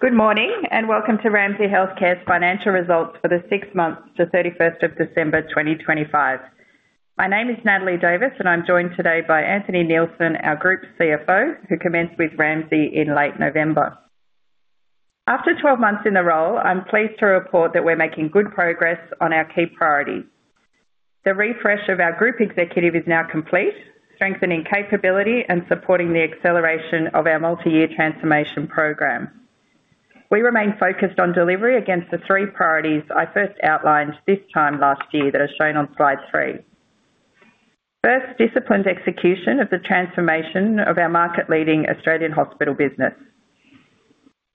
Good morning, welcome to Ramsay Health Care's Financial Results for the Six Months to 31st of December, 2025. My name is Natalie Davis. I'm joined today by Anthony Neilson, our Group CFO, who commenced with Ramsay in late November. After 12 months in the role, I'm pleased to report that we're making good progress on our key priorities. The refresh of our group executive is now complete, strengthening capability and supporting the acceleration of our multi-year transformation program. We remain focused on delivery against the three priorities I first outlined this time last year that are shown on slide three. First, disciplined execution of the transformation of our market-leading Australian hospital business.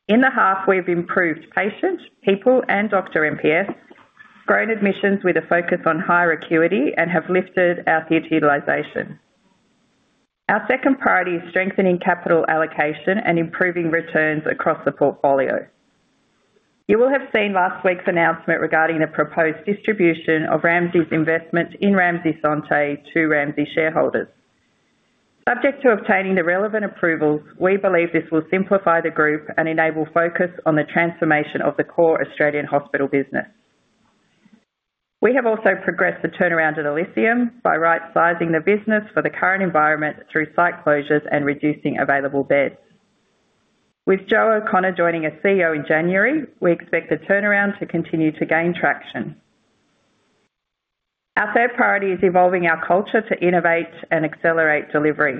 In the half, we've improved patient, people, and doctor NPS, grown admissions with a focus on higher acuity, and have lifted our theater utilization. Our second priority is strengthening capital allocation and improving returns across the portfolio. You will have seen last week's announcement regarding the proposed distribution of Ramsay's investment in Ramsay Santé to Ramsay shareholders. Subject to obtaining the relevant approvals, we believe this will simplify the group and enable focus on the transformation of the core Australian hospital business. We have also progressed the turnaround at Elysium by right-sizing the business for the current environment through site closures and reducing available beds. With Joe O'Connor joining as CEO in January, we expect the turnaround to continue to gain traction. Our third priority is evolving our culture to innovate and accelerate delivery.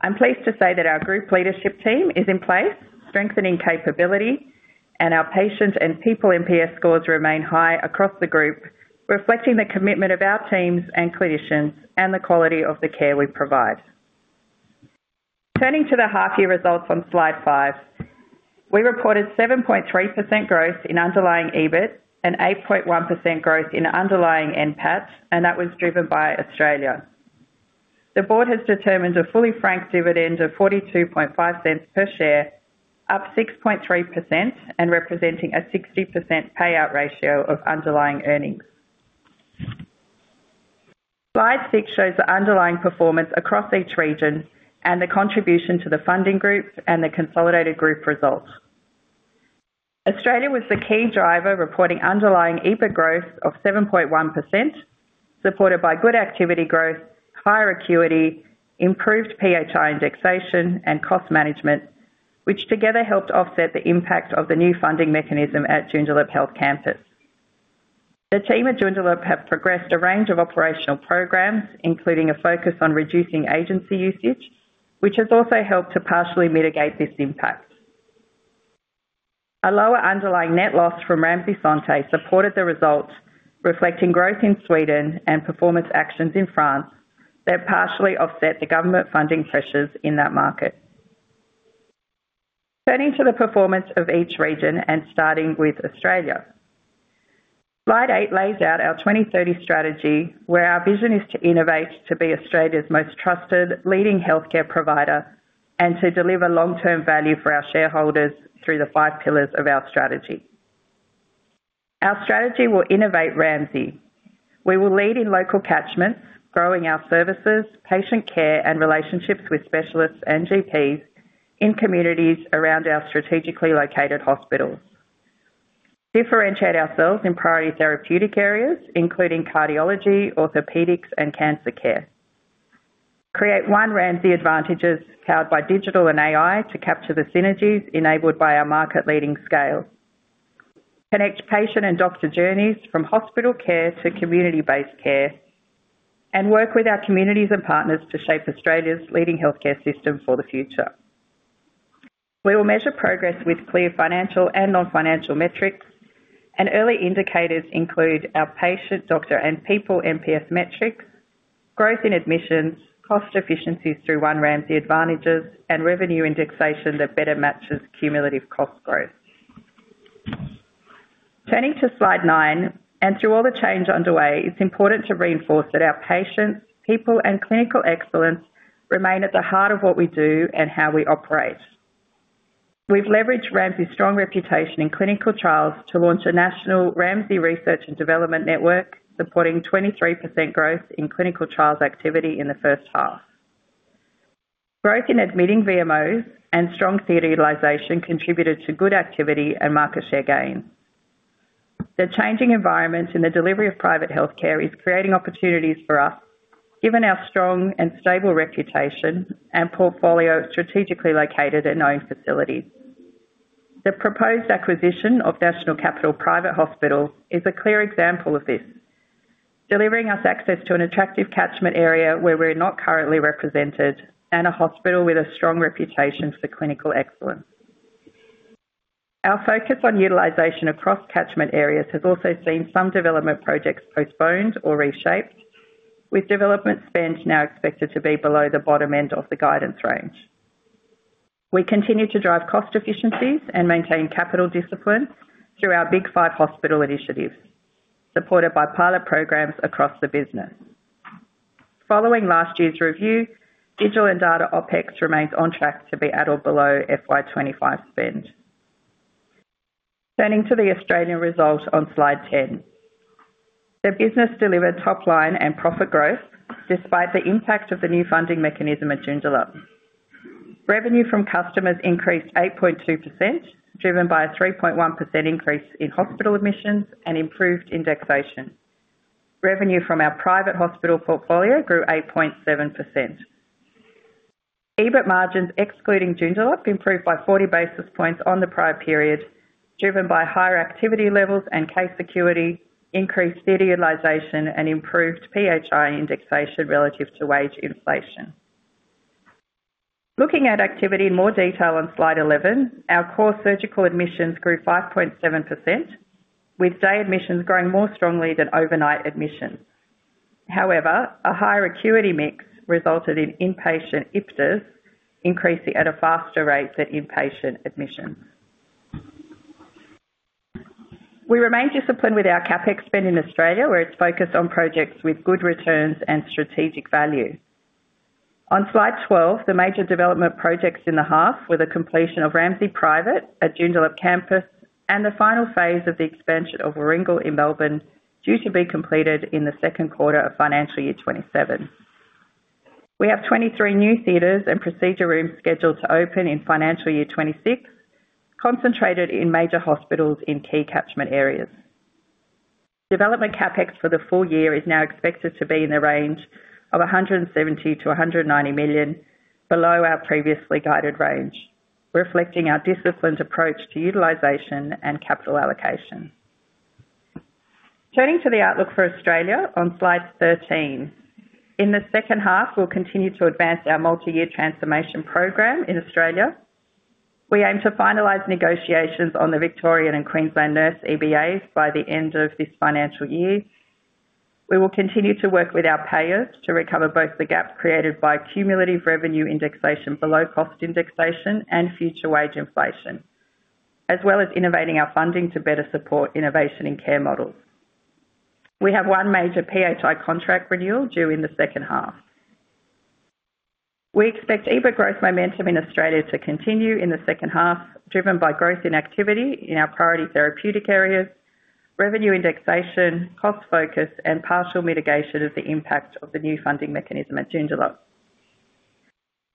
I'm pleased to say that our group leadership team is in place, strengthening capability, our patient and people NPS scores remain high across the group, reflecting the commitment of our teams and clinicians and the quality of the care we provide. Turning to the half year results on slide five. We reported 7.3% growth in underlying EBIT and 8.1% growth in underlying NPAT, that was driven by Australia. The board has determined a fully franked dividend of 0.425 per share, up 6.3% and representing a 60% payout ratio of underlying earnings. Slide six shows the underlying performance across each region and the contribution to the funding groups and the consolidated group results. Australia was the key driver, reporting underlying EBIT growth of 7.1%, supported by good activity growth, higher acuity, improved PHI indexation, and cost management, which together helped offset the impact of the new funding mechanism at Joondalup Health Campus. The team at Joondalup have progressed a range of operational programs, including a focus on reducing agency usage, which has also helped to partially mitigate this impact. A lower underlying net loss from Ramsay Santé supported the results, reflecting growth in Sweden and performance actions in France, that partially offset the government funding pressures in that market. Turning to the performance of each region and starting with Australia. Slide eight lays out our 2030 strategy, where our vision is to innovate, to be Australia's most trusted leading healthcare provider, and to deliver long-term value for our shareholders through the five pillars of our strategy. Our strategy will innovate Ramsay. We will lead in local catchments, growing our services, patient care, and relationships with specialists and GPs in communities around our strategically located hospitals. Differentiate ourselves in priority therapeutic areas, including cardiology, orthopedics, and cancer care. Create One Ramsay advantages powered by digital and AI to capture the synergies enabled by our market-leading scale. Connect patient and doctor journeys from hospital care to community-based care, and work with our communities and partners to shape Australia's leading healthcare system for the future. We will measure progress with clear financial and non-financial metrics, and early indicators include our patient, doctor, and people NPS metrics, growth in admissions, cost efficiencies through One Ramsay advantages, and revenue indexation that better matches cumulative cost growth. Turning to slide nine, through all the change underway, it's important to reinforce that our patients, people, and clinical excellence remain at the heart of what we do and how we operate. We've leveraged Ramsay's strong reputation in clinical trials to launch a national Ramsay Research and Development Network, supporting 23% growth in clinical trials activity in the first half. Growth in admitting VMOs and strong theater utilization contributed to good activity and market share gain. The changing environment in the delivery of private healthcare is creating opportunities for us, given our strong and stable reputation and portfolio of strategically located and known facilities. The proposed acquisition of National Capital Private Hospital is a clear example of this, delivering us access to an attractive catchment area where we're not currently represented and a hospital with a strong reputation for clinical excellence. Our focus on utilization across catchment areas has also seen some development projects postponed or reshaped, with development spend now expected to be below the bottom end of the guidance range. We continue to drive cost efficiencies and maintain capital discipline through our Big 5 hospital initiatives, supported by pilot programs across the business. Following last year's review, digital and data OpEx remains on track to be at or below FY 2025 spend. Turning to the Australian result on Slide 10. The business delivered top line and profit growth, despite the impact of the new funding mechanism at Joondalup. Revenue from customers increased 8.2%, driven by a 3.1% increase in hospital admissions and improved indexation. Revenue from our private hospital portfolio grew 8.7%. EBIT margins, excluding Joondalup, improved by 40 basis points on the prior period, driven by higher activity levels and case acuity, increased theater utilization, and improved PHI indexation relative to wage inflation. Looking at activity in more detail on Slide 11, our core surgical admissions grew 5.7%, with day admissions growing more strongly than overnight admissions. However, a higher acuity mix resulted in inpatient IPDAs increasing at a faster rate than inpatient admissions. We remain disciplined with our CapEx spend in Australia, where it's focused on projects with good returns and strategic value. On Slide 12, the major development projects in the half were the completion of Ramsay Private at Joondalup Campus, and the final phase of the expansion of Warringal in Melbourne, due to be completed in the second quarter of financial year 2027. We have 23 new theaters and procedure rooms scheduled to open in financial year 2026, concentrated in major hospitals in key catchment areas. Development CapEx for the full year is now expected to be in the range of 170 million-190 million, below our previously guided range, reflecting our disciplined approach to utilization and capital allocation. Turning to the outlook for Australia on Slide 13. In the second half, we'll continue to advance our multi-year transformation program in Australia. We aim to finalize negotiations on the Victorian and Queensland Nurse EBAs by the end of this financial year. We will continue to work with our payers to recover both the gap created by cumulative revenue indexation for low cost indexation and future wage inflation, as well as innovating our funding to better support innovation in care models. We have one major PHI contract renewal due in the second half. We expect EBIT growth momentum in Australia to continue in the second half, driven by growth in activity in our priority therapeutic areas, revenue indexation, cost focus, and partial mitigation of the impact of the new funding mechanism at Joondalup.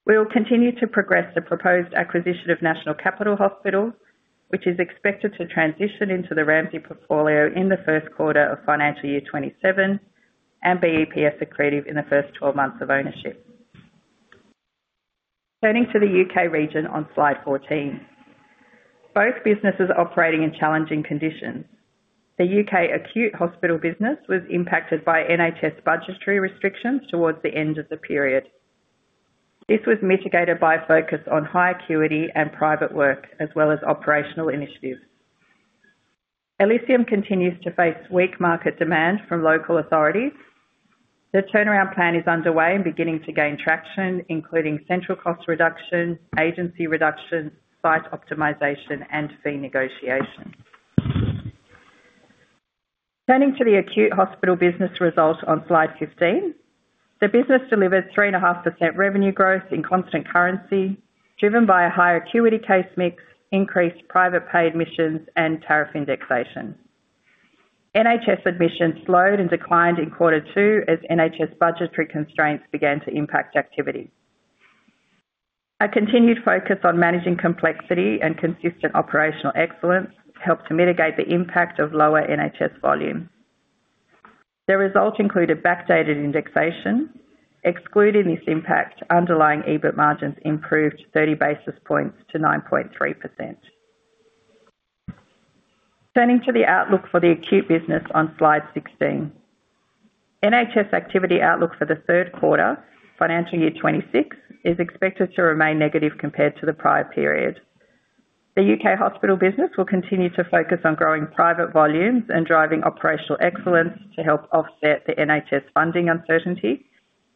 We will continue to progress the proposed acquisition of National Capital Private Hospital, which is expected to transition into the Ramsay portfolio in the first quarter of financial year 2027 and be EPS accretive in the first 12 months of ownership. Turning to the U.K. region on Slide 14. Both businesses are operating in challenging conditions. The U.K. acute hospital business was impacted by NHS budgetary restrictions towards the end of the period. This was mitigated by a focus on high acuity and private work, as well as operational initiatives. Elysium continues to face weak market demand from local authorities. The turnaround plan is underway and beginning to gain traction, including central cost reduction, agency reduction, site optimization, and fee negotiation. Turning to the acute hospital business results on Slide 15. The business delivered 3.5% revenue growth in constant currency, driven by a higher acuity case mix, increased private pay admissions, and tariff indexation. NHS admissions slowed and declined in quarter two as NHS budgetary constraints began to impact activity. A continued focus on managing complexity and consistent operational excellence helped to mitigate the impact of lower NHS volume. The results included backdated indexation. Excluding this impact, underlying EBIT margins improved 30 basis points to 9.3%. Turning to the outlook for the acute business on Slide 16. NHS activity outlook for the third quarter, financial year 2026, is expected to remain negative compared to the prior period. The U.K. hospital business will continue to focus on growing private volumes and driving operational excellence to help offset the NHS funding uncertainty,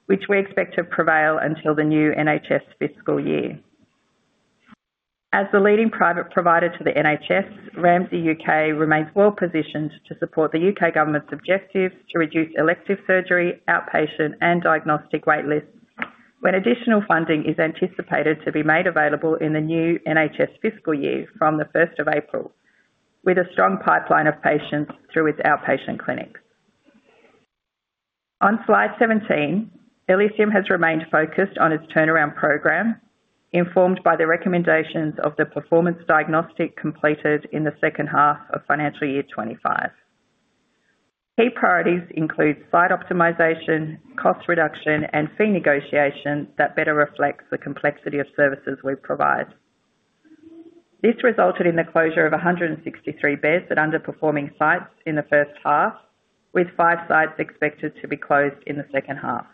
which we expect to prevail until the new NHS fiscal year. As the leading private provider to the NHS, Ramsay U.K. remains well positioned to support the U.K. government's objectives to reduce elective surgery, outpatient, and diagnostic wait lists, when additional funding is anticipated to be made available in the new NHS fiscal year from the first of April, with a strong pipeline of patients through its outpatient clinics. On Slide 17, Elysium has remained focused on its turnaround program, informed by the recommendations of the performance diagnostic completed in the second half of financial year 2025. Key priorities include site optimization, cost reduction, and fee negotiation that better reflects the complexity of services we provide. This resulted in the closure of 163 beds at underperforming sites in the first half, with five sites expected to be closed in the second half.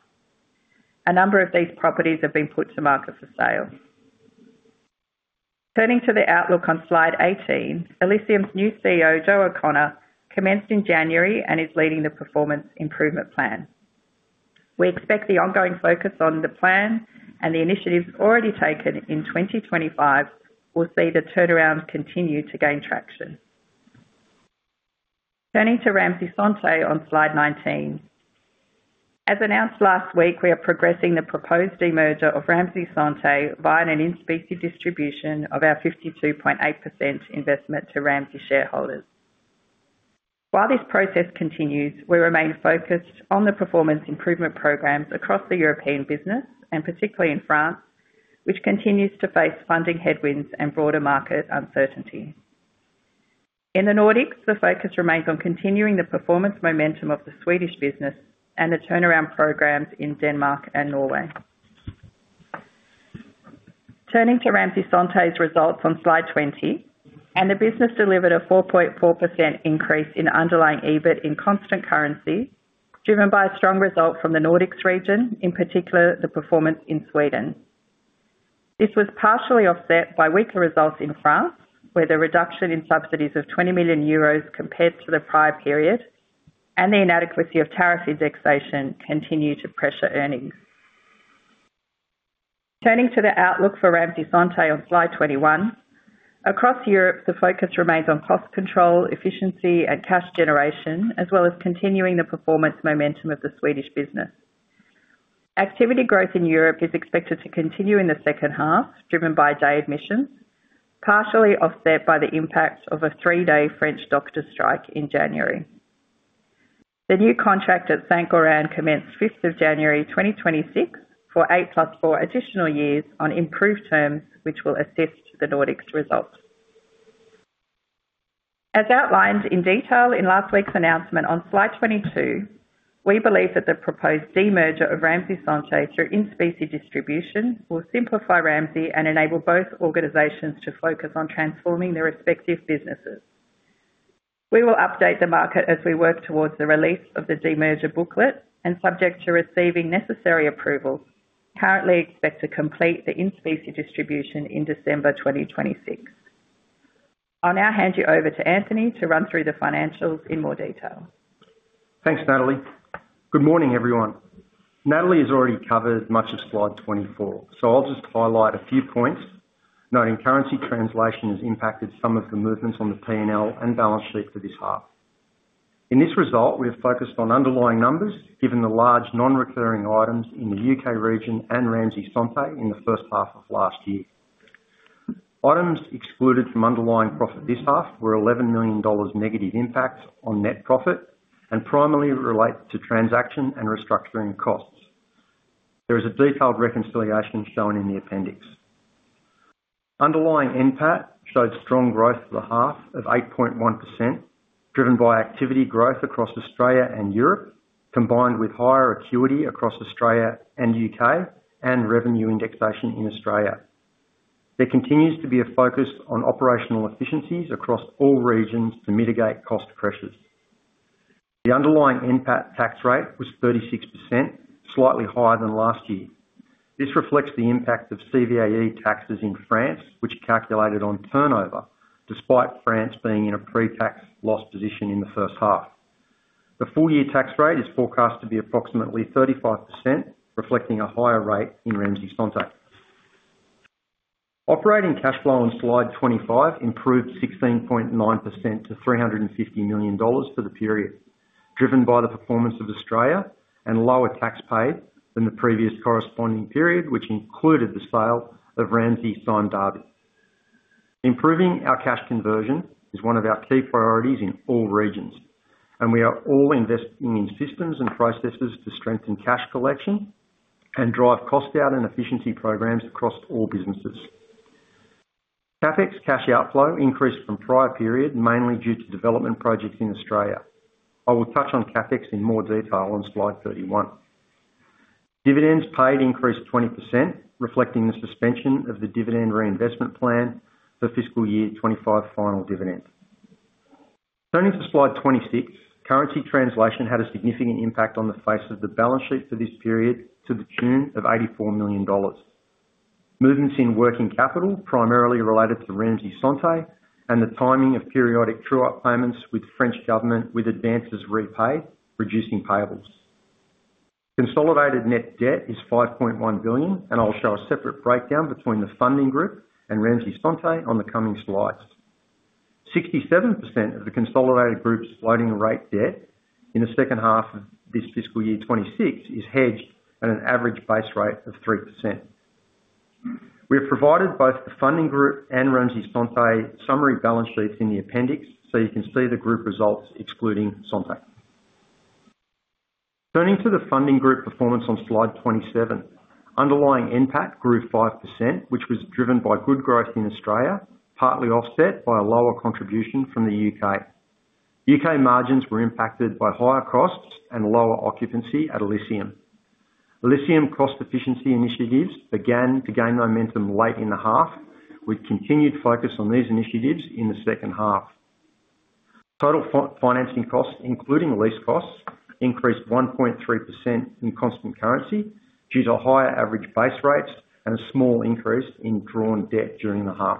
A number of these properties have been put to market for sale. Turning to the outlook on Slide 18, Elysium's new CEO, Joe O'Connor, commenced in January and is leading the performance improvement plan. We expect the ongoing focus on the plan and the initiatives already taken in 2025 will see the turnaround continue to gain traction. Turning to Ramsay Santé on Slide 19. As announced last week, we are progressing the proposed demerger of Ramsay Santé via an in specie distribution of our 52.8% investment to Ramsay shareholders. While this process continues, we remain focused on the performance improvement programs across the European business, and particularly in France, which continues to face funding headwinds and broader market uncertainty. In the Nordics, the focus remains on continuing the performance momentum of the Swedish business and the turnaround programs in Denmark and Norway. Turning to Ramsay Santé's results on slide 20, the business delivered a 4.4% increase in underlying EBIT in constant currency, driven by a strong result from the Nordics region, in particular, the performance in Sweden. This was partially offset by weaker results in France, where the reduction in subsidies of 20 million euros compared to the prior period, and the inadequacy of tariff indexation continued to pressure earnings. Turning to the outlook for Ramsay Santé on slide 21. Across Europe, the focus remains on cost control, efficiency, and cash generation, as well as continuing the performance momentum of the Swedish business. Activity growth in Europe is expected to continue in the second half, driven by day admissions, partially offset by the impact of a three-day French doctor strike in January. The new contract at St. Göran commenced 5th of January 2026, for 8+4 additional years on improved terms, which will assist the Nordics results. As outlined in detail in last week's announcement on slide 22, we believe that the proposed demerger of Ramsay Santé through in specie distribution will simplify Ramsay and enable both organizations to focus on transforming their respective businesses. We will update the market as we work towards the release of the Demerger Booklet, and subject to receiving necessary approvals, currently expect to complete the in specie distribution in December 2026. I'll now hand you over to Anthony to run through the financials in more detail. Thanks, Natalie. Good morning, everyone. Natalie has already covered much of slide 24, I'll just highlight a few points, noting currency translation has impacted some of the movements on the P&L and balance sheet for this half. In this result, we have focused on underlying numbers, given the large non-recurring items in the U.K. region and Ramsay Santé in the first half of last year. Items excluded from underlying profit this half were 11 million dollars negative impact on net profit and primarily relates to transaction and restructuring costs. There is a detailed reconciliation shown in the appendix. Underlying NPAT showed strong growth for the half of 8.1%, driven by activity growth across Australia and Europe, combined with higher acuity across Australia and the U.K., and revenue indexation in Australia. There continues to be a focus on operational efficiencies across all regions to mitigate cost pressures. The underlying NPAT tax rate was 36%, slightly higher than last year. This reflects the impact of CVAE taxes in France, which are calculated on turnover, despite France being in a pre-tax loss position in the first half. The full year tax rate is forecast to be approximately 35%, reflecting a higher rate in Ramsay Santé. Operating cash flow on slide 25 improved 16.9% to 350 million dollars for the period, driven by the performance of Australia and lower tax paid than the previous corresponding period, which included the sale of Ramsay Sime Darby. Improving our cash conversion is one of our key priorities in all regions, and we are all investing in systems and processes to strengthen cash collection and drive cost out and efficiency programs across all businesses. CapEx cash outflow increased from prior period, mainly due to development projects in Australia. I will touch on CapEx in more detail on slide 31. Dividends paid increased 20%, reflecting the suspension of the dividend reinvestment plan for fiscal year 2025 final dividend. Turning to slide 26, currency translation had a significant impact on the face of the balance sheet for this period, to the tune of 84 million dollars. Movements in working capital primarily related to Ramsay Santé and the timing of periodic true-up payments with French government, with advances repaid, reducing payables. Consolidated net debt is 5.1 billion, and I'll show a separate breakdown between the Funding Group and Ramsay Santé on the coming slides. 67% of the consolidated group's floating rate debt in the second half of this fiscal year 2026, is hedged at an average base rate of 3%. We have provided both the Funding Group and Ramsay Santé summary balance sheets in the appendix, so you can see the group results excluding Santé. Turning to the Funding Group performance on slide 27. Underlying NPAT grew 5%, which was driven by good growth in Australia, partly offset by a lower contribution from the U.K. U.K. margins were impacted by higher costs and lower occupancy at Elysium. Elysium cost efficiency initiatives began to gain momentum late in the half, with continued focus on these initiatives in the second half. Total financing costs, including lease costs, increased 1.3% in constant currency, due to higher average base rates and a small increase in drawn debt during the half.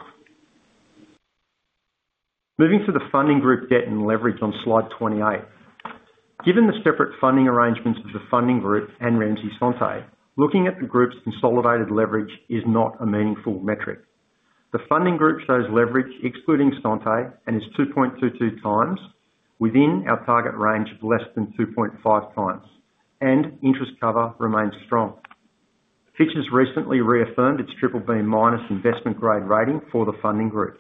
Moving to the Funding Group debt and leverage on slide 28.... Given the separate funding arrangements of the Funding Group and Ramsay Santé, looking at the group's consolidated leverage is not a meaningful metric. The Funding Group shows leverage excluding Santé and is 2.22x within our target range of less than 2.5x, and interest cover remains strong. Fitch's recently reaffirmed its BBB- investment grade rating for the Funding Group.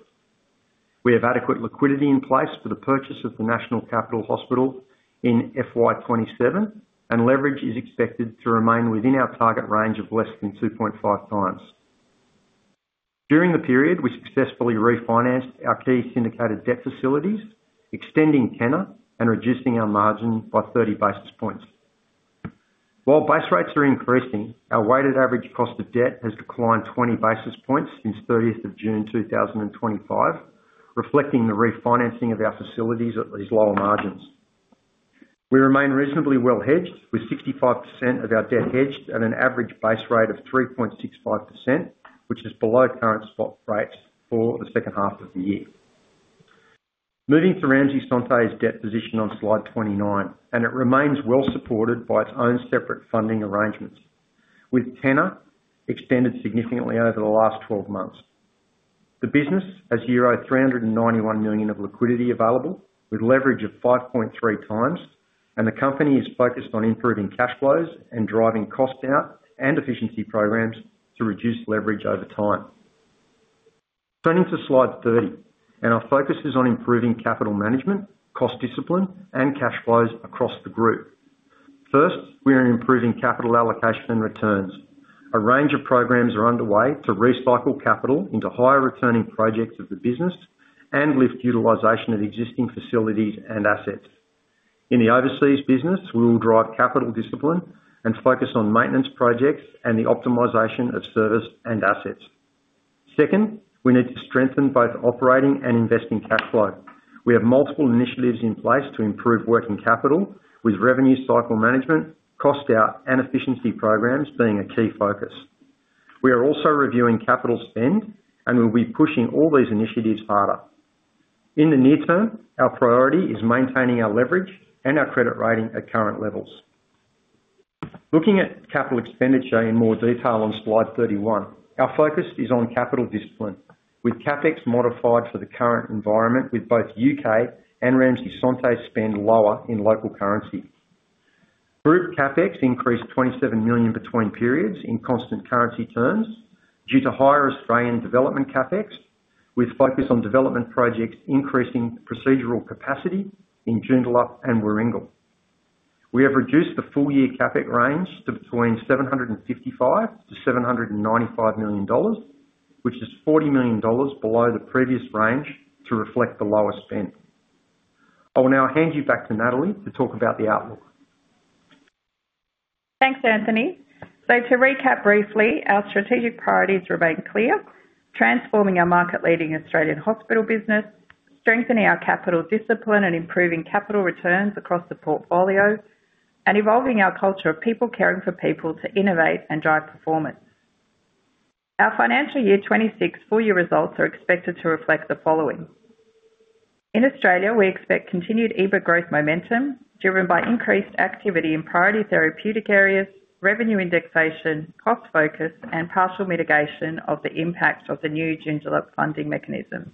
We have adequate liquidity in place for the purchase of the National Capital Hospital in FY 2027, and leverage is expected to remain within our target range of less than 2.5x. During the period, we successfully refinanced our key syndicated debt facilities, extending tenor and reducing our margin by 30 basis points. While base rates are increasing, our weighted average cost of debt has declined 20 basis points since 30th of June, 2025, reflecting the refinancing of our facilities at these lower margins. We remain reasonably well hedged, with 65% of our debt hedged at an average base rate of 3.65%, which is below current spot rates for the second half of the year. Moving to Ramsay Santé's debt position on slide 29, and it remains well supported by its own separate funding arrangements, with tenor extended significantly over the last 12 months. The business has euro 391 million of liquidity available, with leverage of 5.3x, and the company is focused on improving cash flows and driving costs out and efficiency programs to reduce leverage over time. Turning to slide 30, our focus is on improving capital management, cost discipline, and cash flows across the group. First, we are improving capital allocation and returns. A range of programs are underway to recycle capital into higher returning projects of the business and lift utilization of existing facilities and assets. In the overseas business, we will drive capital discipline and focus on maintenance projects and the optimization of service and assets. Second, we need to strengthen both operating and investing cash flow. We have multiple initiatives in place to improve working capital, with revenue cycle management, cost out, and efficiency programs being a key focus. We are also reviewing capital spend, and we'll be pushing all these initiatives harder. In the near term, our priority is maintaining our leverage and our credit rating at current levels. Looking at capital expenditure in more detail on slide 31, our focus is on capital discipline, with CapEx modified for the current environment, with both U.K. and Ramsay Santé spend lower in local currency. Group CapEx increased 27 million between periods in constant currency terms due to higher Australian development CapEx, with focus on development projects increasing procedural capacity in Joondalup and Warringal. We have reduced the full year CapEx range to between 755 million-795 million dollars, which is 40 million dollars below the previous range to reflect the lower spend. I will now hand you back to Natalie to talk about the outlook. Thanks, Anthony. To recap briefly, our strategic priorities remain clear: transforming our market-leading Australian hospital business, strengthening our capital discipline and improving capital returns across the portfolio, and evolving our culture of people caring for people to innovate and drive performance. Our financial year 2026 full year results are expected to reflect the following: In Australia, we expect continued EBIT growth momentum driven by increased activity in priority therapeutic areas, revenue indexation, cost focus, and partial mitigation of the impact of the new Joondalup funding mechanism.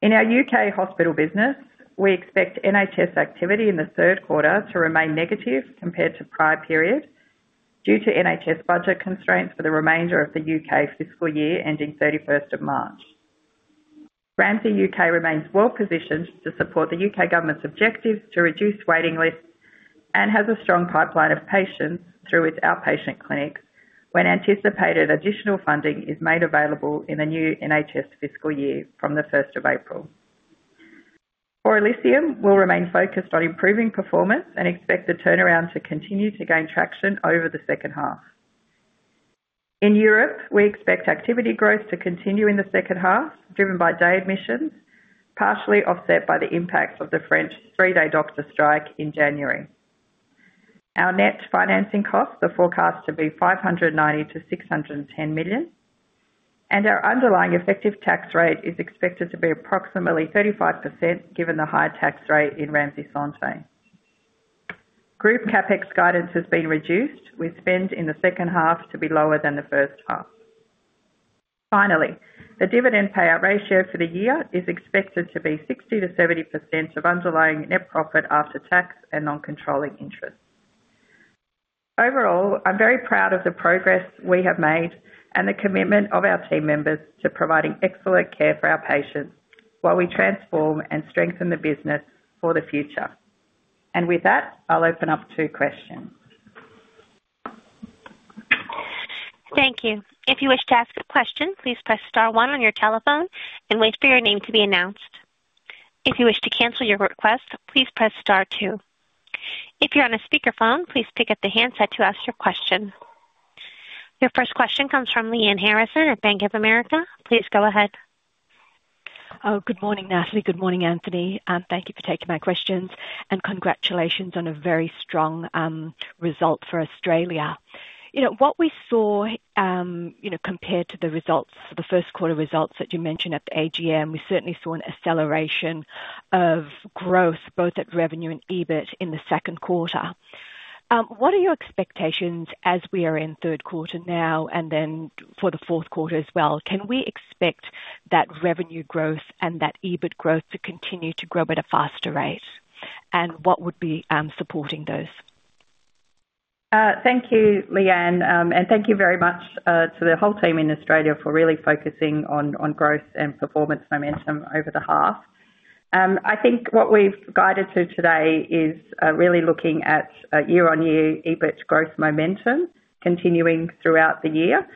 In our U.K. hospital business, we expect NHS activity in the third quarter to remain negative compared to prior periods due to NHS budget constraints for the remainder of the U.K. fiscal year, ending 31st of March. Ramsay U.K. remains well positioned to support the U.K. government's objectives to reduce waiting lists and has a strong pipeline of patients through its outpatient clinics when anticipated additional funding is made available in the new NHS fiscal year from the first of April. For Elysium, we'll remain focused on improving performance and expect the turnaround to continue to gain traction over the second half. In Europe, we expect activity growth to continue in the second half, driven by day admissions, partially offset by the impact of the French three-day doctor strike in January. Our net financing costs are forecast to be 590 million-610 million, and our underlying effective tax rate is expected to be approximately 35%, given the high tax rate in Ramsay Santé. Group CapEx guidance has been reduced, with spend in the second half to be lower than the first half. Finally, the dividend payout ratio for the year is expected to be 60%-70% of underlying net profit after tax and non-controlling interest. Overall, I'm very proud of the progress we have made and the commitment of our team members to providing excellent care for our patients while we transform and strengthen the business for the future. With that, I'll open up to questions. Thank you. If you wish to ask a question, please press star one on your telephone and wait for your name to be announced. If you wish to cancel your request, please press star two. If you're on a speakerphone, please pick up the handset to ask your question. Your first question comes from Lyanne Harrison of Bank of America. Please go ahead. Good morning, Natalie. Good morning, Anthony, thank you for taking my questions, and congratulations on a very strong result for Australia. You know, what we saw, you know, compared to the results, the first quarter results that you mentioned at the AGM, we certainly saw an acceleration of growth, both at revenue and EBIT in the second quarter. What are your expectations as we are in third quarter now and then for the fourth quarter as well? Can we expect that revenue growth and that EBIT growth to continue to grow at a faster rate? What would be supporting those? Thank you, Lyanne, and thank you very much to the whole team in Australia for really focusing on growth and performance momentum over the half. I think what we've guided to today is really looking at year-on-year EBIT growth momentum continuing throughout the year.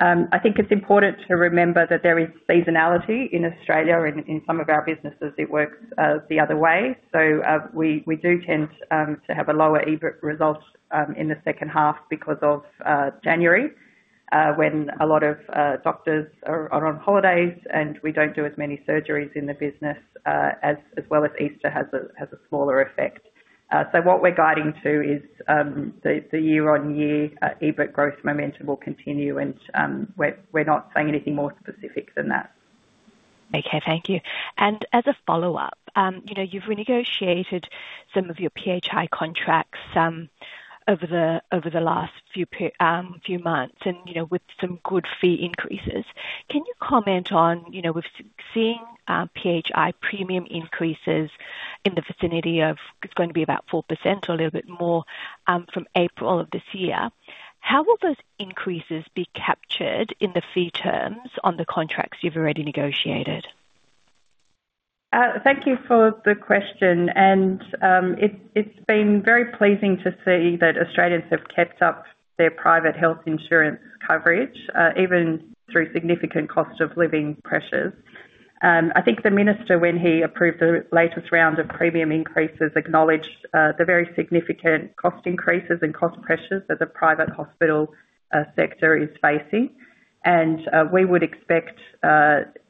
I think it's important to remember that there is seasonality in Australia, and in some of our businesses, it works the other way. We do tend to have a lower EBIT result in the second half because of January, when a lot of doctors are on holidays, and we don't do as many surgeries in the business, as well as Easter has a smaller effect. What we're guiding to is the year-on-year EBIT growth momentum will continue, and we're not saying anything more specific than that. Okay, thank you. As a follow-up, you know, you've renegotiated some of your PHI contracts over the last few months and, you know, with some good fee increases. Can you comment on, you know, we've seen PHI premium increases in the vicinity of about 4% or a little bit more from April of this year. How will those increases be captured in the fee terms on the contracts you've already negotiated? Thank you for the question, it's been very pleasing to see that Australians have kept up their private health insurance coverage even through significant cost of living pressures. I think the Minister, when he approved the latest round of premium increases, acknowledged the very significant cost increases and cost pressures that the private hospital sector is facing. We would expect,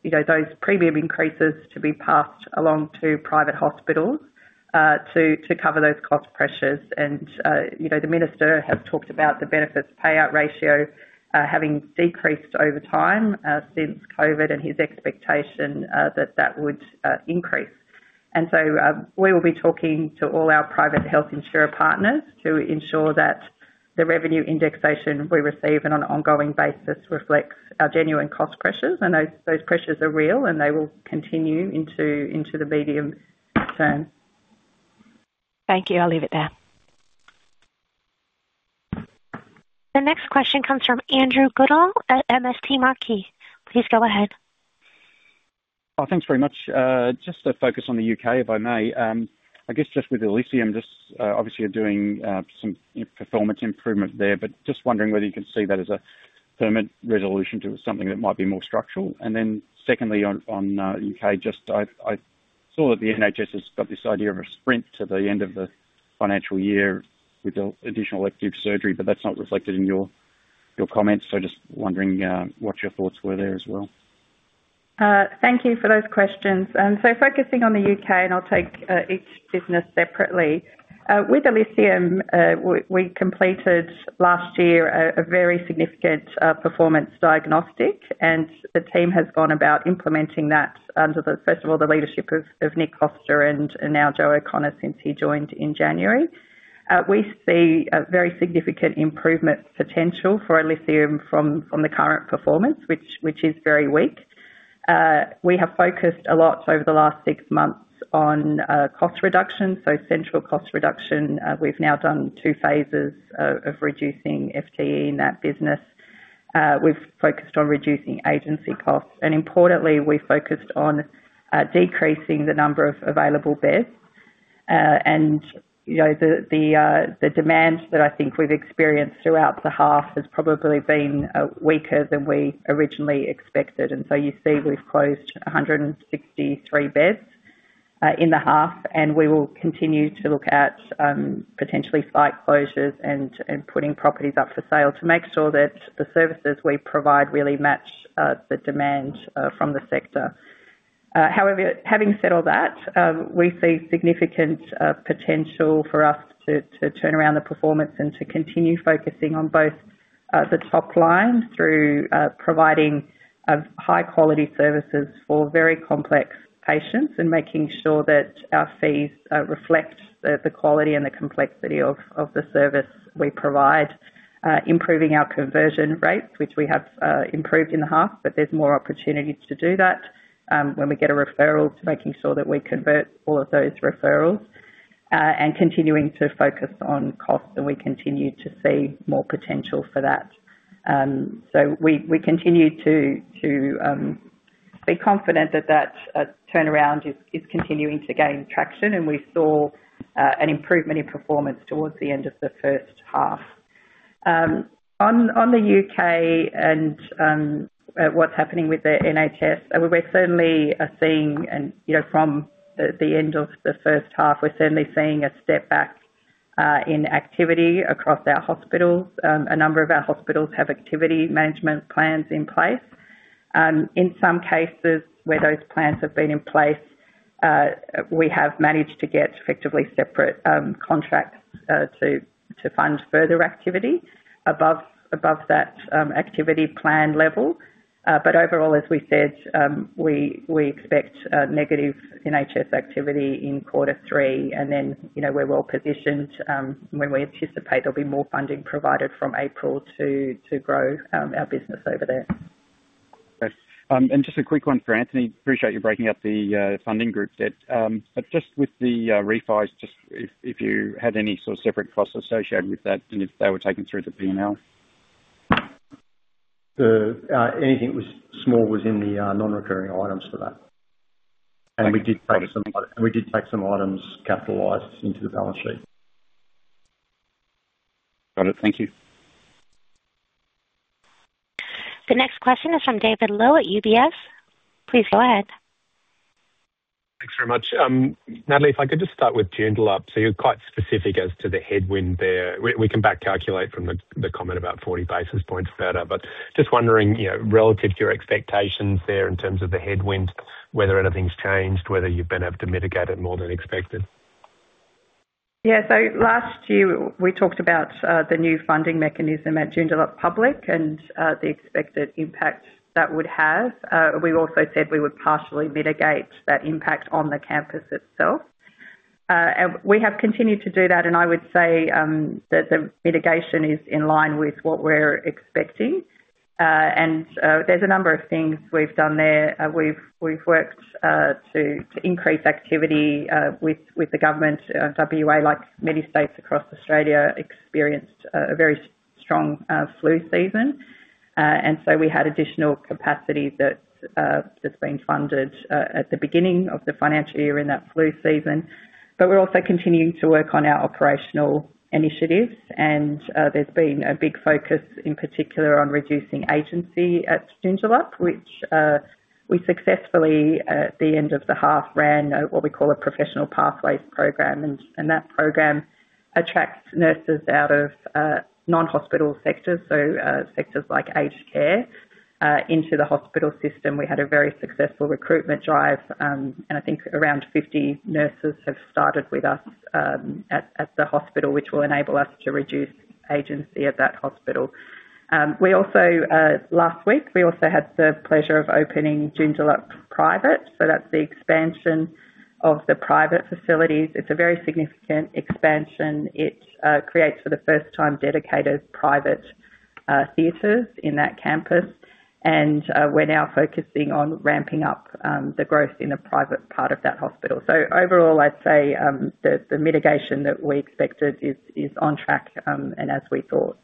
you know, those premium increases to be passed along to private hospitals to cover those cost pressures. You know, the Minister has talked about the benefits payout ratio having decreased over time since COVID, and his expectation that that would increase. We will be talking to all our private health insurer partners to ensure that the revenue indexation we receive on an ongoing basis reflects our genuine cost pressures, and those pressures are real, and they will continue into the medium term. Thank you. I'll leave it there. The next question comes from Andrew Goodsall at MST Marquee. Please go ahead. Just to focus on the U.K., if I may. I guess just with Elysium, just obviously you're doing some performance improvement there, but just wondering whether you can see that as a permanent resolution to something that might be more structural. Secondly, on U.K., just I saw that the NHS has got this idea of a sprint to the end of the financial year with the additional elective surgery, but that's not reflected in your comments. Just wondering what your thoughts were there as well. Thank you for those questions. Focusing on the U.K., and I'll take each business separately. With Elysium, we completed last year a very significant performance diagnostic, and the team has gone about implementing that under the, first of all, the leadership of Nick Costa and now Joe O'Connor since he joined in January. We see a very significant improvement potential for Elysium from the current performance, which is very weak. We have focused a lot over the last six months on cost reduction, so central cost reduction. We've now done two phases of reducing FTE in that business. We've focused on reducing agency costs, and importantly, we've focused on decreasing the number of available beds. You know, the demand that I think we've experienced throughout the half has probably been weaker than we originally expected, and so you see we've closed 163 beds in the half, and we will continue to look at potentially site closures and putting properties up for sale to make sure that the services we provide really match the demand from the sector. However, having said all that, we see significant potential for us to turn around the performance and to continue focusing on both the top line through providing high-quality services for very complex patients and making sure that our fees reflect the quality and the complexity of the service we provide. Improving our conversion rates, which we have improved in the half, there's more opportunity to do that. When we get a referral, making sure that we convert all of those referrals, continuing to focus on costs, we continue to see more potential for that. We continue to be confident that turnaround is continuing to gain traction, we saw an improvement in performance towards the end of the first half. On the U.K. and what's happening with the NHS, we certainly are seeing, you know, from the end of the first half, we're certainly seeing a step back in activity across our hospitals. A number of our hospitals have activity management plans in place. In some cases where those plans have been in place. We have managed to get effectively separate contracts to fund further activity above that activity plan level. Overall, as we said, we expect a negative NHS activity in quarter three. You know, we're well positioned when we anticipate there'll be more funding provided from April to grow our business over there. Okay. Just a quick one for Anthony. Appreciate you breaking out the Funding Group debt. Just with the refis, just if you had any sort of separate costs associated with that, and if they were taken through the P&L? The anything was small was in the non-recurring items for that. We did take some items capitalized into the balance sheet. Got it. Thank you. The next question is from David Low at UBS. Please go ahead. Thanks very much. Natalie, if I could just start with Joondalup. You're quite specific as to the headwind there. We can back calculate from the comment about 40 basis points further, but just wondering, you know, relative to your expectations there in terms of the headwind, whether anything's changed, whether you've been able to mitigate it more than expected? Last year we talked about the new funding mechanism at Joondalup Public and the expected impact that would have. We also said we would partially mitigate that impact on the campus itself. We have continued to do that, and I would say that the mitigation is in line with what we're expecting. There's a number of things we've done there. We've worked to increase activity with the government. WA, like many states across Australia, experienced a very strong flu season. We had additional capacity that that's been funded at the beginning of the financial year in that flu season. We're also continuing to work on our operational initiatives, and there's been a big focus in particular on reducing agency at Joondalup, which we successfully, at the end of the half, ran what we call a professional pathways program. That program attracts nurses out of non-hospital sectors, so sectors like aged care, into the hospital system. We had a very successful recruitment drive, and I think around 50 nurses have started with us at the hospital, which will enable us to reduce agency at that hospital. We also, last week, we also had the pleasure of opening Joondalup Private. That's the expansion of the private facilities. It's a very significant expansion. It creates, for the first time, dedicated private theaters in that campus. And we're now focusing on ramping up the growth in the private part of that hospital. overall, I'd say, the mitigation that we expected is on track, and as we thought.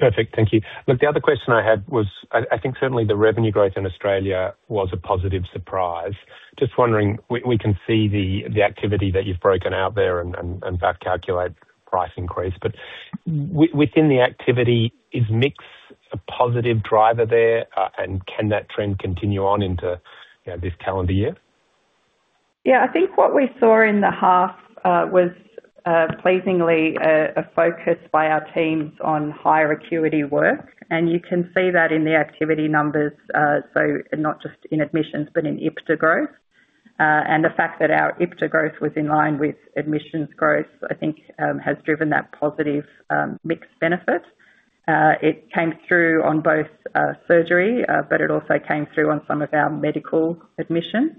Perfect. Thank you. The other question I had was, I think certainly the revenue growth in Australia was a positive surprise. Just wondering, we can see the activity that you've broken out there and back calculate price increase. Within the activity, is mix a positive driver there? Can that trend continue on into, you know, this calendar year? Yeah, I think what we saw in the half was pleasingly, a focus by our teams on higher acuity work, and you can see that in the activity numbers. Not just in admissions, but in IPTA growth. The fact that our IPTA growth was in line with admissions growth, I think, has driven that positive mix benefit. It came through on both surgery, but it also came through on some of our medical admissions.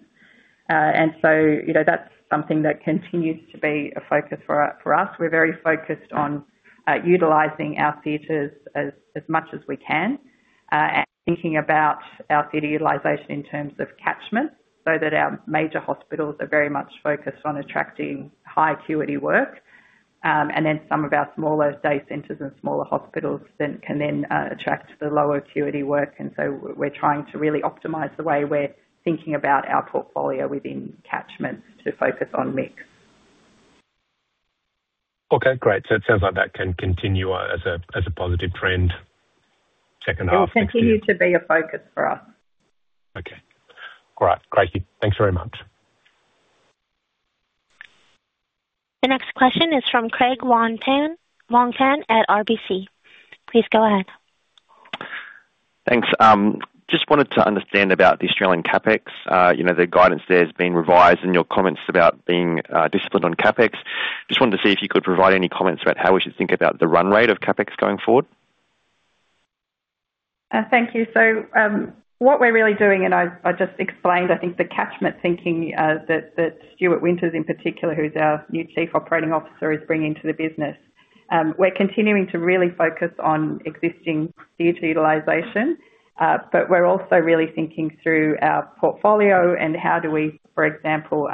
So, you know, that's something that continues to be a focus for us. We're very focused on utilizing our theaters as much as we can, and thinking about our theater utilization in terms of catchment, so that our major hospitals are very much focused on attracting high acuity work. Some of our smaller day centers and smaller hospitals then can then attract the lower acuity work. We're trying to really optimize the way we're thinking about our portfolio within catchment to focus on mix. Okay, great. It sounds like that can continue, as a positive trend, second half. It'll continue to be a focus for us. Okay. All right. Greatly. Thanks very much. The next question is from Craig Wong-Pan, Wong-Pan at RBC. Please go ahead. Thanks. Just wanted to understand about the Australian CapEx. You know, the guidance there has been revised and your comments about being disciplined on CapEx. Just wanted to see if you could provide any comments about how we should think about the run rate of CapEx going forward. Thank you. What we're really doing, and I just explained, I think the catchment thinking that Stuart Winters, in particular, who's our new chief operating officer, is bringing to the business. We're continuing to really focus on existing theater utilization. We're also really thinking through our portfolio and how do we... For example,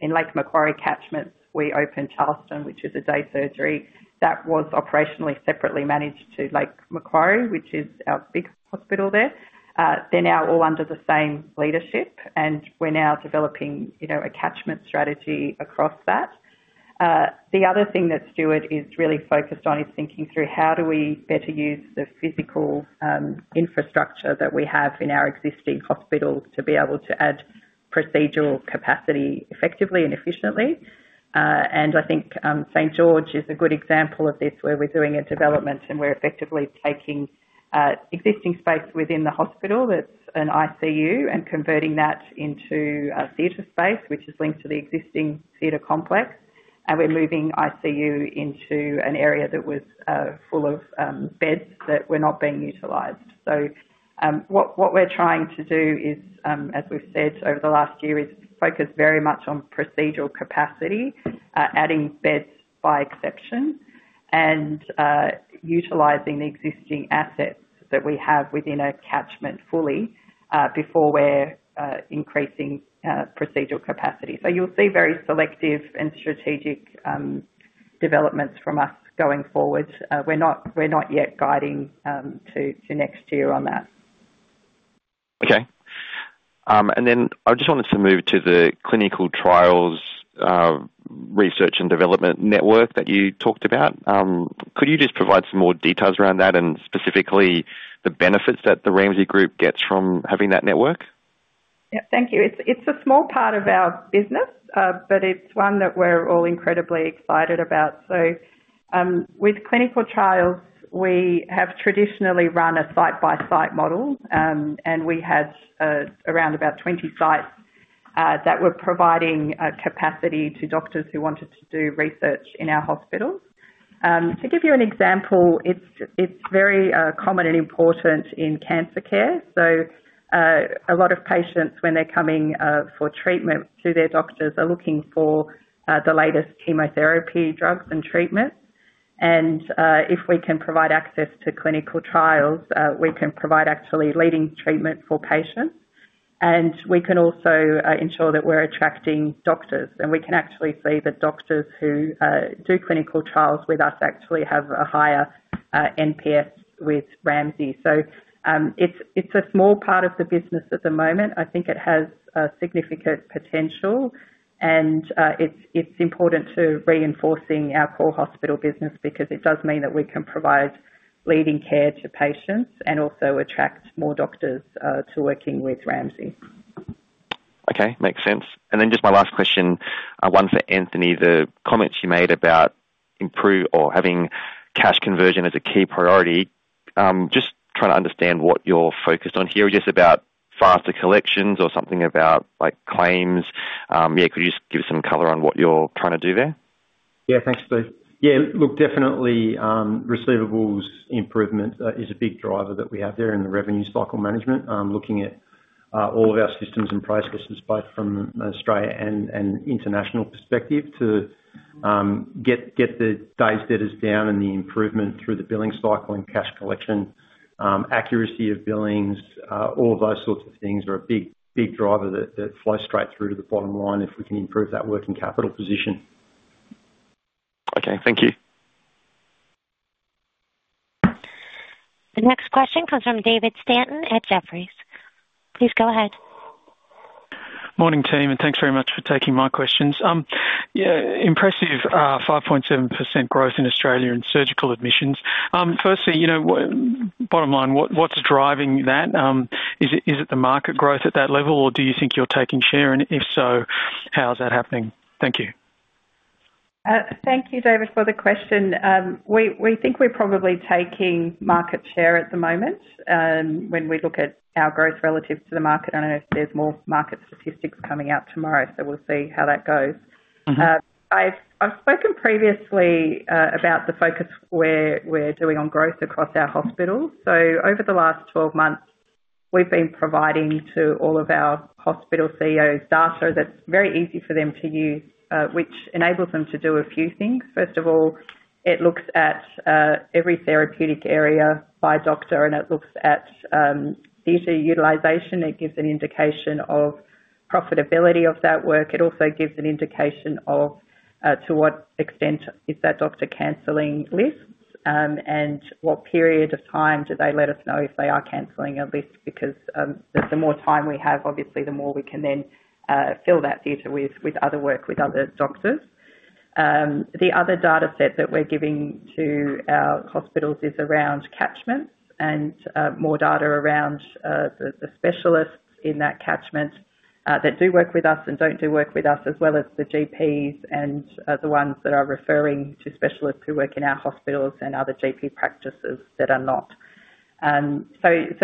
in Lake Macquarie catchment, we opened Charlestown, which is a day surgery that was operationally separately managed to Lake Macquarie, which is our big hospital there. They're now all under the same leadership. We're now developing, you know, a catchment strategy across that. The other thing that Stuart is really focused on is thinking through how do we better use the physical infrastructure that we have in our existing hospitals to be able to add procedural capacity effectively and efficiently? I think St. Göran is a good example of this, where we're doing a development and we're effectively taking existing space within the hospital that's an ICU and converting that into a theater space, which is linked to the existing theater complex. We're moving ICU into an area that was full of beds that were not being utilized. What we're trying to do is, as we've said over the last year, focus very much on procedural capacity, adding beds by exception and utilizing the existing assets that we have within a catchment fully before we're increasing procedural capacity. You'll see very selective and strategic developments from us going forward. We're not yet guiding to next year on that. Okay. I just wanted to move to the clinical trials, research and development network that you talked about. Could you just provide some more details around that, and specifically, the benefits that the Ramsay Group gets from having that network? Yeah. Thank you. It's a small part of our business, but it's one that we're all incredibly excited about. With clinical trials, we have traditionally run a site-by-site model, and we had around about 20 sites that were providing capacity to doctors who wanted to do research in our hospitals. To give you an example, it's very common and important in cancer care. A lot of patients when they're coming for treatment to their doctors, are looking for the latest chemotherapy, drugs, and treatments. If we can provide access to clinical trials, we can provide actually leading treatment for patients. We can also ensure that we're attracting doctors, we can actually see the doctors who do clinical trials with us actually have a higher NPS with Ramsay. It's a small part of the business at the moment. I think it has a significant potential, and, it's important to reinforcing our core hospital business because it does mean that we can provide leading care to patients and also attract more doctors to working with Ramsay. Okay, makes sense. Just my last question, one for Anthony. The comments you made about improve or having cash conversion as a key priority, just trying to understand what you're focused on here. Just about faster collections or something about, like, claims? Yeah, could you just give some color on what you're trying to do there? Yeah, thanks, Craig. Yeah, look, definitely, receivables improvement is a big driver that we have there in the revenue cycle management. Looking at all of our systems and processes, both from Australia and international perspective, to get the days' debtors down and the improvement through the billing cycle and cash collection, accuracy of billings, all of those sorts of things are a big driver that flow straight through to the bottom line if we can improve that working capital position. Okay, thank you. The next question comes from David Stanton at Jefferies. Please go ahead. Morning, team. Thanks very much for taking my questions. Yeah, impressive, 5.7% growth in Australia in surgical admissions. Firstly, you know, bottom line, what's driving that? Is it the market growth at that level, or do you think you're taking share, and if so, how is that happening? Thank you. Thank you, David, for the question. We think we're probably taking market share at the moment. When we look at our growth relative to the market, I don't know if there's more market statistics coming out tomorrow. We'll see how that goes. I've spoken previously about the focus we're doing on growth across our hospitals. Over the last 12 months, we've been providing to all of our hospital CEO data that's very easy for them to use, which enables them to do a few things. First of all, it looks at every therapeutic area by doctor, and it looks at theater utilization. It gives an indication of profitability of that work. It also gives an indication of to what extent is that doctor canceling lists, and what period of time do they let us know if they are canceling a list? The more time we have, obviously, the more we can then fill that theater with other work, with other doctors. The other data set that we're giving to our hospitals is around catchments and more data around the specialists in that catchment that do work with us and don't do work with us, as well as the GPs and the ones that are referring to specialists who work in our hospitals and other GP practices that are not. That's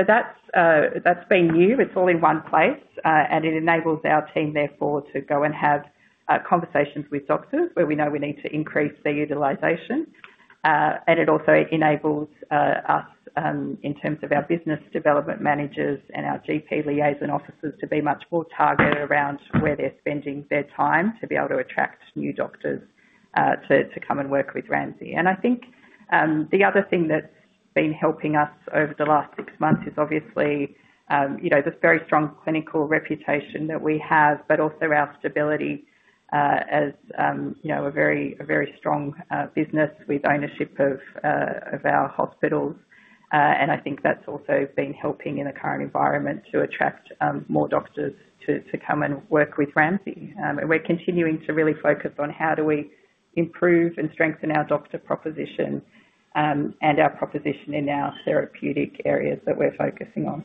been new. It's all in one place, and it enables our team, therefore, to go and have conversations with doctors where we know we need to increase their utilization. And it also enables us in terms of our business development managers and our GP liaison officers, to be much more targeted around where they're spending their time, to be able to attract new doctors to come and work with Ramsay. I think, the other thing that's been helping us over the last six months is obviously, you know, the very strong clinical reputation that we have, but also our stability, as, you know, a very, a very strong business with ownership of our hospitals. I think that's also been helping in the current environment to attract more doctors to come and work with Ramsay. We're continuing to really focus on how do we improve and strengthen our doctor proposition, and our proposition in our therapeutic areas that we're focusing on.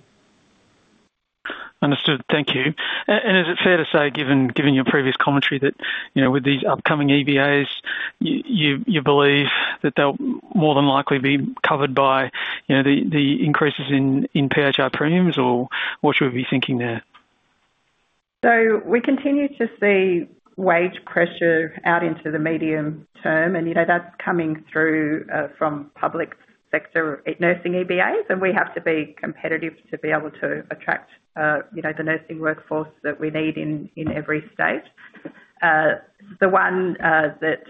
Understood. Thank you. Is it fair to say, given your previous commentary, that, you know, with these upcoming EBAs, you believe that they'll more than likely be covered by, you know, the increases in PHR premiums, or what should we be thinking there? We continue to see wage pressure out into the medium term, and, you know, that's coming through from public sector nursing EBAs, and we have to be competitive to be able to attract, you know, the nursing workforce that we need in every state. The one that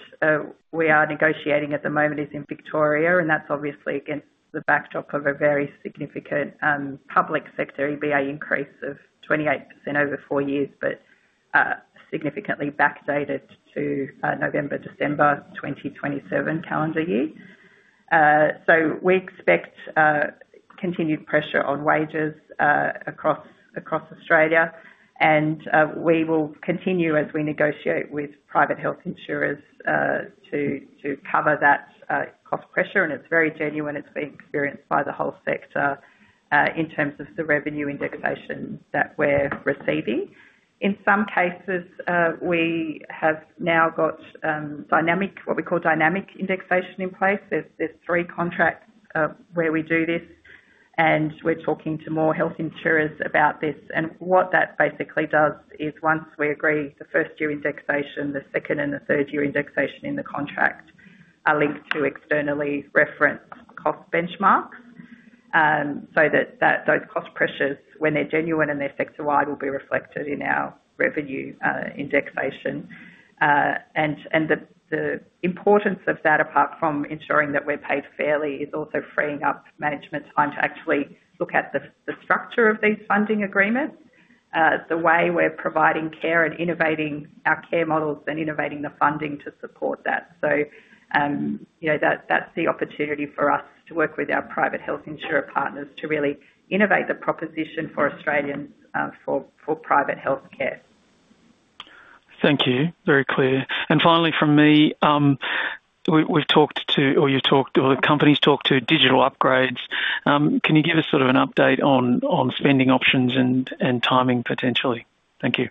we are negotiating at the moment is in Victoria, and that's obviously against the backdrop of a very significant public sector EBA increase of 28% over four years, but significantly backdated to November, December 2027 calendar year. We expect continued pressure on wages across Australia, and we will continue as we negotiate with private health insurers to cover that cost pressure. It's very genuine. It's being experienced by the whole sector in terms of the revenue indexation that we're receiving. In some cases, we have now got dynamic, what we call dynamic indexation in place. There's three contracts where we do this, and we're talking to more health insurers about this. What that basically does is, once we agree the first year indexation, the second and the third year indexation in the contract are linked to externally referenced cost benchmarks. That, those cost pressures, when they're genuine and they're sector-wide, will be reflected in our revenue indexation. The importance of that, apart from ensuring that we're paid fairly, is also freeing up management time to actually look at the structure of these funding agreements, the way we're providing care and innovating our care models and innovating the funding to support that. You know, that's the opportunity for us to work with our private health insurer partners to really innovate the proposition for Australians, for private health care. Thank you. Very clear. Finally, from me, we've talked to, or you talked, or the company's talked to digital upgrades. Can you give us sort of an update on spending options and timing potentially? Thank you.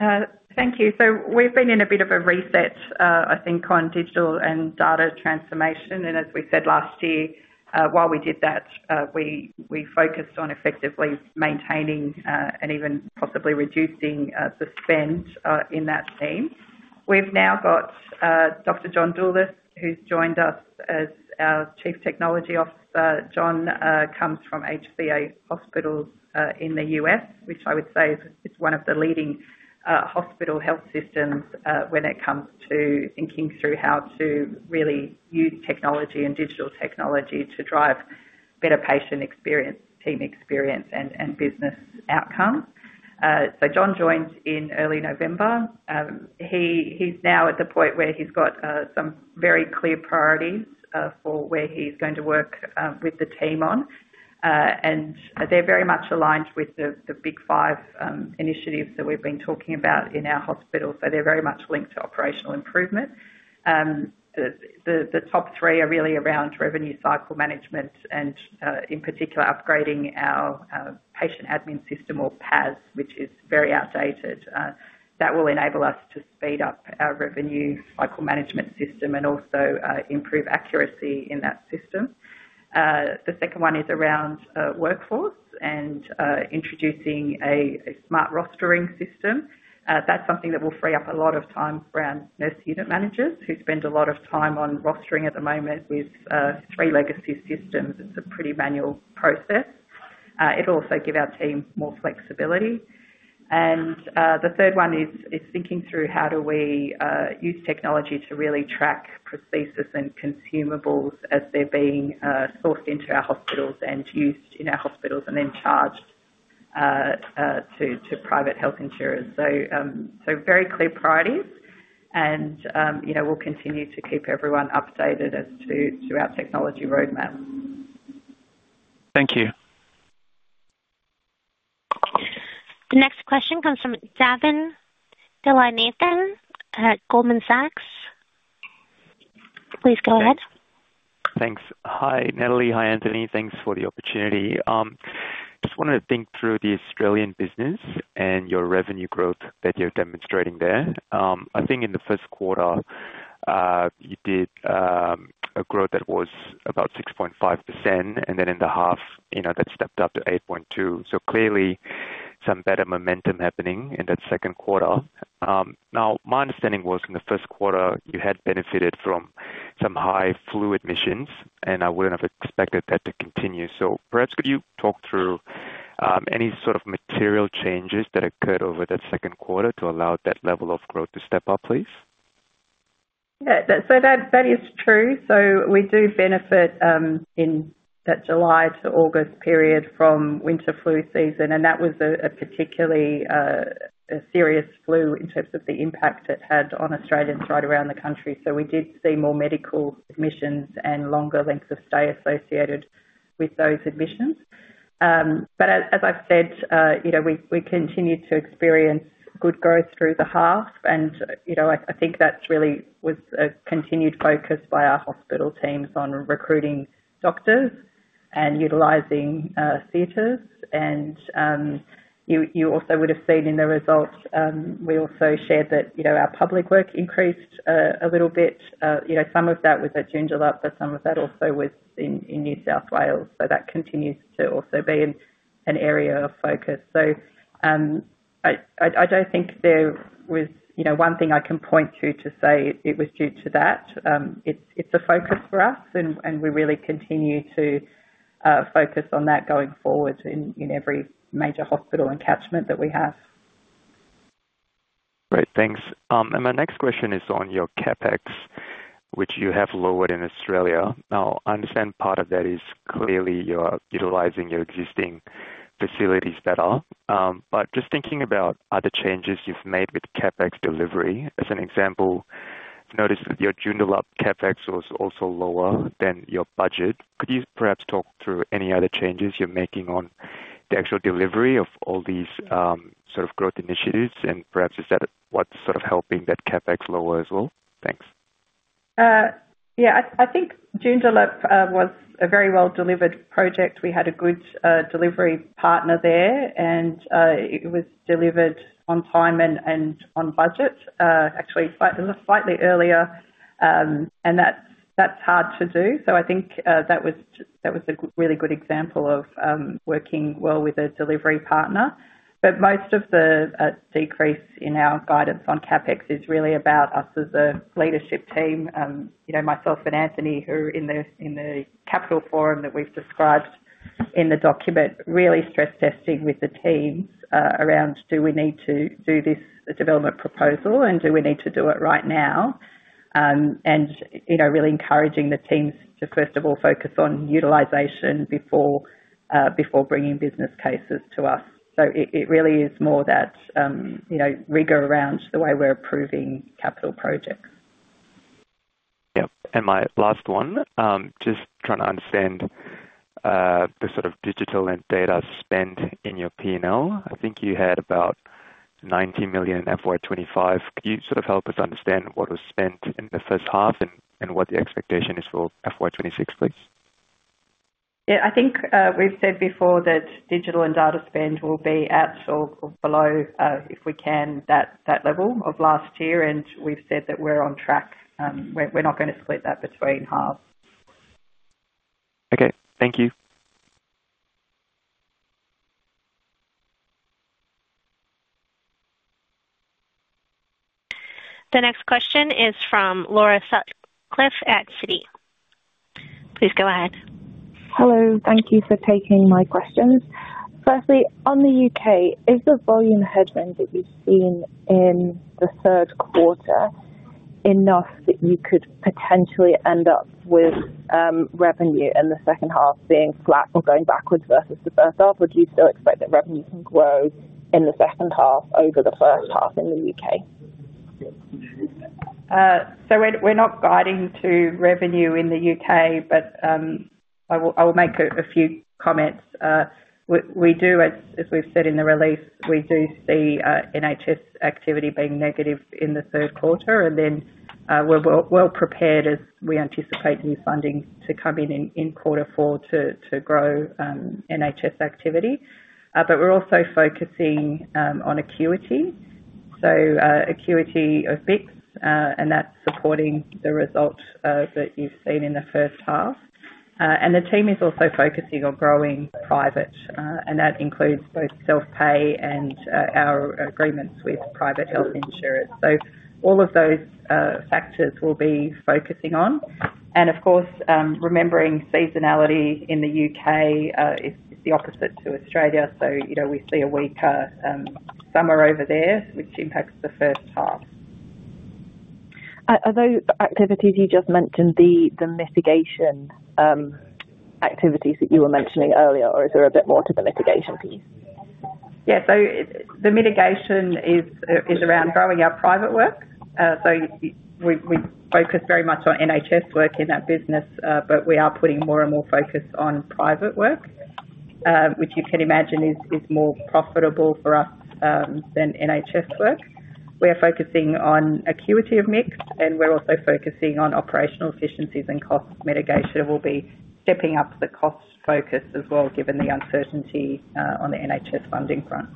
Thank you. We've been in a bit of a reset, I think, on digital and data transformation, and as we said last year, while we did that, we focused on effectively maintaining, and even possibly reducing, the spend in that team. We've now got Dr. John Doulis, who's joined us as our Chief Technology Officer. John comes from HCA hospitals in the U.S., which I would say is one of the leading hospital health systems when it comes to thinking through how to really use technology and digital technology to drive better patient experience, team experience, and business outcomes. John joined in early November. He's now at the point where he's got some very clear priorities for where he's going to work with the team on, and they're very much aligned with the Big 5 initiatives that we've been talking about in our hospitals. They're very much linked to operational improvement. The top three are really around revenue cycle management and in particular, upgrading our patient admin system, or PAS, which is very outdated. That will enable us to speed up our revenue cycle management system and also improve accuracy in that system. The second one is around workforce and introducing a smart rostering system. That's something that will free up a lot of time for our nurse unit managers, who spend a lot of time on rostering at the moment with three legacy systems. It's a pretty manual process. It'll also give our team more flexibility. The third one is thinking through how do we use technology to really track prosthesis and consumables as they're being sourced into our hospitals and used in our hospitals and then charged to private health insurers? Very clear priorities and, you know, we'll continue to keep everyone updated as to our technology roadmap. Thank you. The next question comes from Davinthra Thillainathan at Goldman Sachs. Please go ahead. Thanks. Hi, Natalie. Hi, Anthony. Thanks for the opportunity. Just wanted to think through the Australian business and your revenue growth that you're demonstrating there. I think in the first quarter, you did a growth that was about 6.5%, and then in the half, you know, that stepped up to 8.2%. Clearly some better momentum happening in that second quarter. Now, my understanding was in the first quarter, you had benefited from some high flu admissions, and I wouldn't have expected that to continue. Perhaps could you talk through any sort of material changes that occurred over that second quarter to allow that level of growth to step up, please? That is true. We do benefit in that July to August period from winter flu season. That was a particularly serious flu in terms of the impact it had on Australians right around the country. We did see more medical admissions and longer lengths of stay associated with those admissions. As I've said, you know, we continued to experience good growth through the half, and you know, I think that's really was a continued focus by our hospital teams on recruiting doctors and utilizing theaters. You also would have seen in the results, we also shared that, you know, our public work increased a little bit. You know, some of that was at Joondalup, but some of that also was in New South Wales. That continues to also be an area of focus. I don't think there was, you know, one thing I can point to say it was due to that. It's a focus for us, and we really continue to focus on that going forward in every major hospital and catchment that we have. Great, thanks. My next question is on your CapEx, which you have lowered in Australia. I understand part of that is clearly you're utilizing your existing facilities better. Just thinking about other changes you've made with CapEx delivery, as an example, I've noticed that your Joondalup CapEx was also lower than your budget. Could you perhaps talk through any other changes you're making on the actual delivery of all these, sort of growth initiatives? Perhaps is that what's sort of helping that CapEx lower as well? Thanks. Yeah, I think Joondalup was a very well-delivered project. We had a good delivery partner there, and it was delivered on time and on budget. Actually, slightly earlier, and that's hard to do. I think that was a really good example of working well with a delivery partner. Most of the decrease in our guidance on CapEx is really about us as a leadership team. You know, myself and Anthony, who in the, in the capital forum that we've described in the document, really stress testing with the teams, around, "Do we need to do this development proposal, and do we need to do it right now?" You know, really encouraging the teams to, first of all, focus on utilization before bringing business cases to us. It, it really is more that, you know, rigor around the way we're approving capital projects. Yep. My last one, just trying to understand the sort of digital and data spend in your P&L. I think you had about 90 million in FY 2025. Could you sort of help us understand what was spent in the first half and what the expectation is for FY 2026, please? I think we've said before that digital and data spend will be at or below, if we can, that level of last year. We've said that we're on track. We're not gonna split that between half. Okay, thank you. The next question is from Laura Sutcliffe at Citi. Please go ahead. Hello. Thank you for taking my questions. Firstly, on the U.K., is the volume headwind that you've seen in the third quarter enough that you could potentially end up with revenue in the second half being flat or going backwards versus the first half? Or do you still expect that revenue can grow in the second half over the first half in the U.K.? We're not guiding to revenue in the U.K., I will make a few comments. We do as we've said in the release, we do see NHS activity being negative in the third quarter, we're well prepared as we anticipate new funding to come in in quarter four to grow NHS activity. We're also focusing on acuity. Acuity of mix, that's supporting the result that you've seen in the first half. The team is also focusing on growing private, that includes both self-pay and our agreements with private health insurance. All of those factors we'll be focusing on. Of course, remembering seasonality in the U.K. is the opposite to Australia. So, you know, we see a weaker, summer over there, which impacts the first half. Are those activities you just mentioned, the mitigation activities that you were mentioning earlier, or is there a bit more to the mitigation piece? Yeah. The mitigation is around growing our private work. We focus very much on NHS work in that business, but we are putting more and more focus on private work, which you can imagine is more profitable for us than NHS work. We are focusing on acuity of mix, and we're also focusing on operational efficiencies and cost mitigation. We'll be stepping up the cost focus as well, given the uncertainty on the NHS funding front.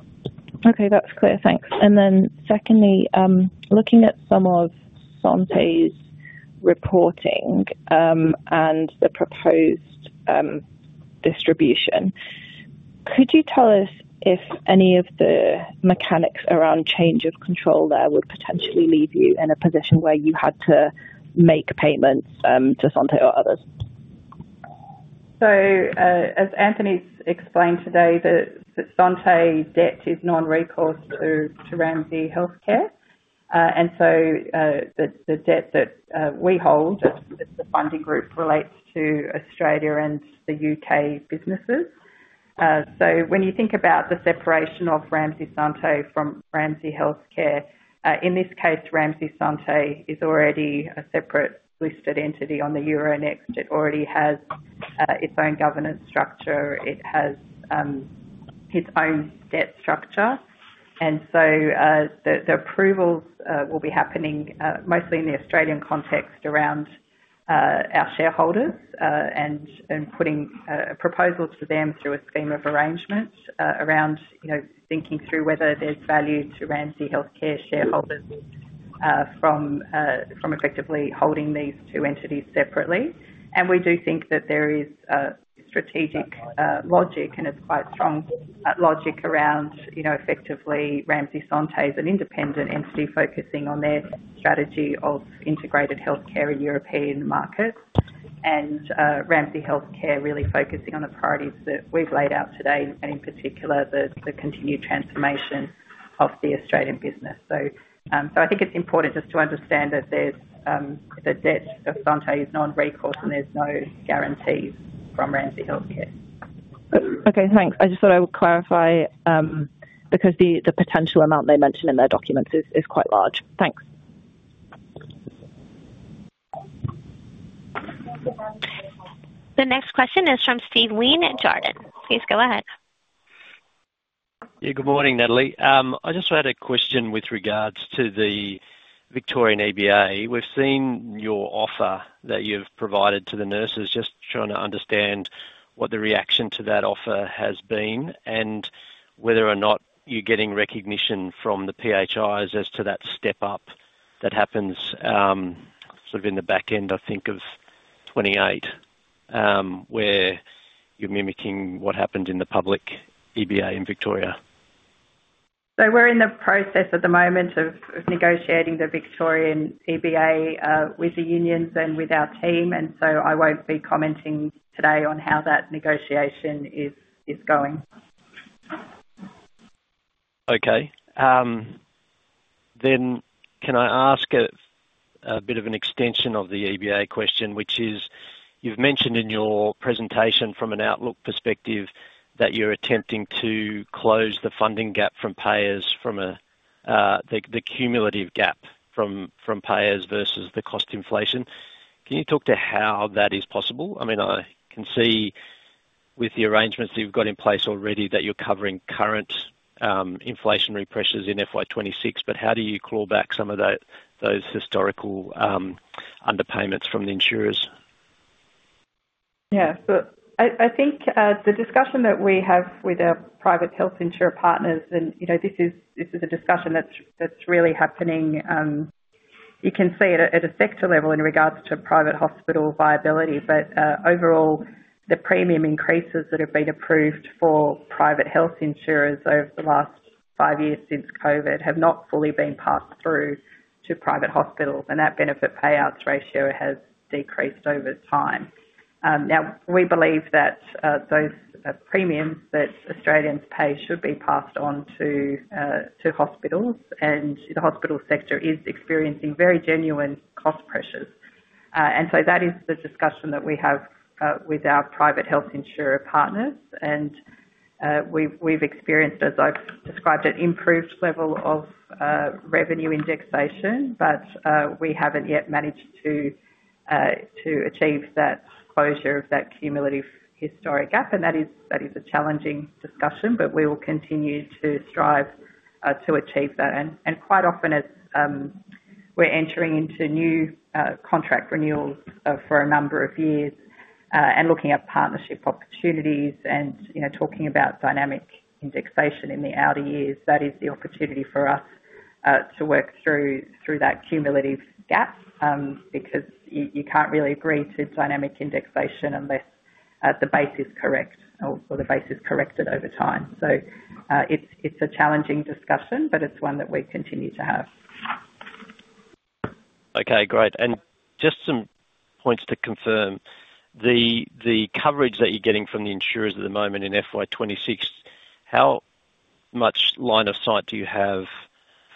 Okay, that's clear. Thanks. Secondly, looking at some of Santé's reporting, and the proposed distribution, could you tell us if any of the mechanics around change of control there would potentially leave you in a position where you had to make payments to Santé or others? As Anthony explained today, the Santé debt is non-recourse to Ramsay Health Care. The debt that we hold, as the Funding Group, relates to Australia and the U.K. businesses. When you think about the separation of Ramsay Santé from Ramsay Health Care, in this case, Ramsay Santé is already a separate listed entity on the Euronext. It already has its own governance structure. It has his own debt structure. The approvals will be happening mostly in the Australian context around our shareholders and putting proposals to them through a scheme of arrangement around, you know, thinking through whether there's value to Ramsay Health Care shareholders from effectively holding these two entities separately. We do think that there is a strategic logic, and it's quite strong logic around, you know, effectively Ramsay Santé is an independent entity focusing on their strategy of integrated healthcare in European markets, and Ramsay Health Care really focusing on the priorities that we've laid out today, and in particular, the continued transformation of the Australian business. I think it's important just to understand that there's the debt of Santé is non-recourse, and there's no guarantees from Ramsay Health Care. Okay, thanks. I just thought I would clarify, because the potential amount they mention in their documents is quite large. Thanks. The next question is from Steve Wheen at Jarden. Please go ahead. Yeah. Good morning, Natalie. I just had a question with regards to the Victorian EBA. We've seen your offer that you've provided to the nurses. Just trying to understand what the reaction to that offer has been, whether or not you're getting recognition from the PHIs as to that step up that happens, sort of in the back end, I think, of 2028, where you're mimicking what happened in the public EBA in Victoria. We're in the process at the moment of negotiating the Victorian EBA with the unions and with our team. I won't be commenting today on how that negotiation is going. Okay. Can I ask a bit of an extension of the EBA question, which is: You've mentioned in your presentation from an outlook perspective, that you're attempting to close the funding gap from payers from the cumulative gap from payers versus the cost inflation. Can you talk to how that is possible? I mean, I can see with the arrangements that you've got in place already, that you're covering current inflationary pressures in FY 2026. How do you claw back some of that, those historical underpayments from the insurers? I think the discussion that we have with our private health insurer partners, and, you know, this is a discussion that's really happening, you can see it at a sector level in regards to private hospital viability. Overall, the premium increases that have been approved for private health insurers over the last five years since COVID, have not fully been passed through to private hospitals, and that benefits payout ratio has decreased over time. Now, we believe that those premiums that Australians pay should be passed on to hospitals, and the hospital sector is experiencing very genuine cost pressures. That is the discussion that we have with our private health insurer partners. We've experienced, as I've described, an improved level of revenue indexation. We haven't yet managed to achieve that closure of that cumulative historic gap, and that is a challenging discussion, but we will continue to strive to achieve that. Quite often as we're entering into new contract renewals for a number of years and looking at partnership opportunities and, you know, talking about dynamic indexation in the outer years, that is the opportunity for us to work through that cumulative gap because you can't really agree to dynamic indexation unless the base is correct or the base is corrected over time. It's a challenging discussion, but it's one that we continue to have. Okay, great. Just some points to confirm, the coverage that you're getting from the insurers at the moment in FY 2026, how much line of sight do you have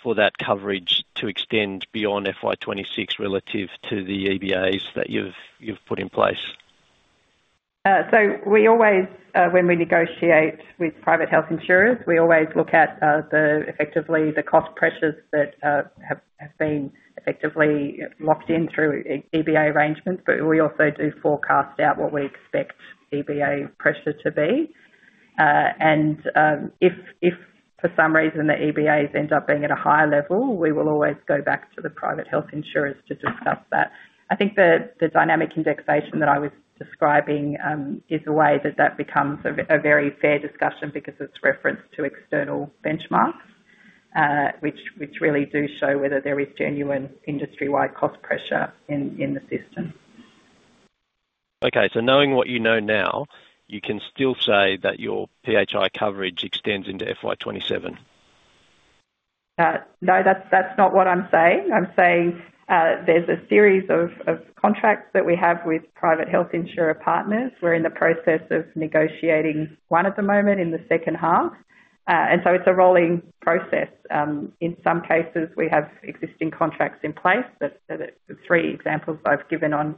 for that coverage to extend beyond FY 2026 relative to the EBAs that you've put in place? We always, when we negotiate with private health insurers, we always look at the effectively, the cost pressures that have been effectively locked in through EBA arrangements, but we also do forecast out what we expect EBA pressure to be. If for some reason the EBAs end up being at a higher level, we will always go back to the private health insurers to discuss that. I think the dynamic indexation that I was describing is a way that that becomes a very fair discussion because it's referenced to external benchmarks, which really do show whether there is genuine industry-wide cost pressure in the system. Okay. Knowing what you know now, you can still say that your PHI coverage extends into FY 2027? No, that's not what I'm saying. I'm saying, there's a series of contracts that we have with Private Health Insurer partners. We're in the process of negotiating one at the moment in the second half. It's a rolling process. In some cases, we have existing contracts in place. The three examples I've given on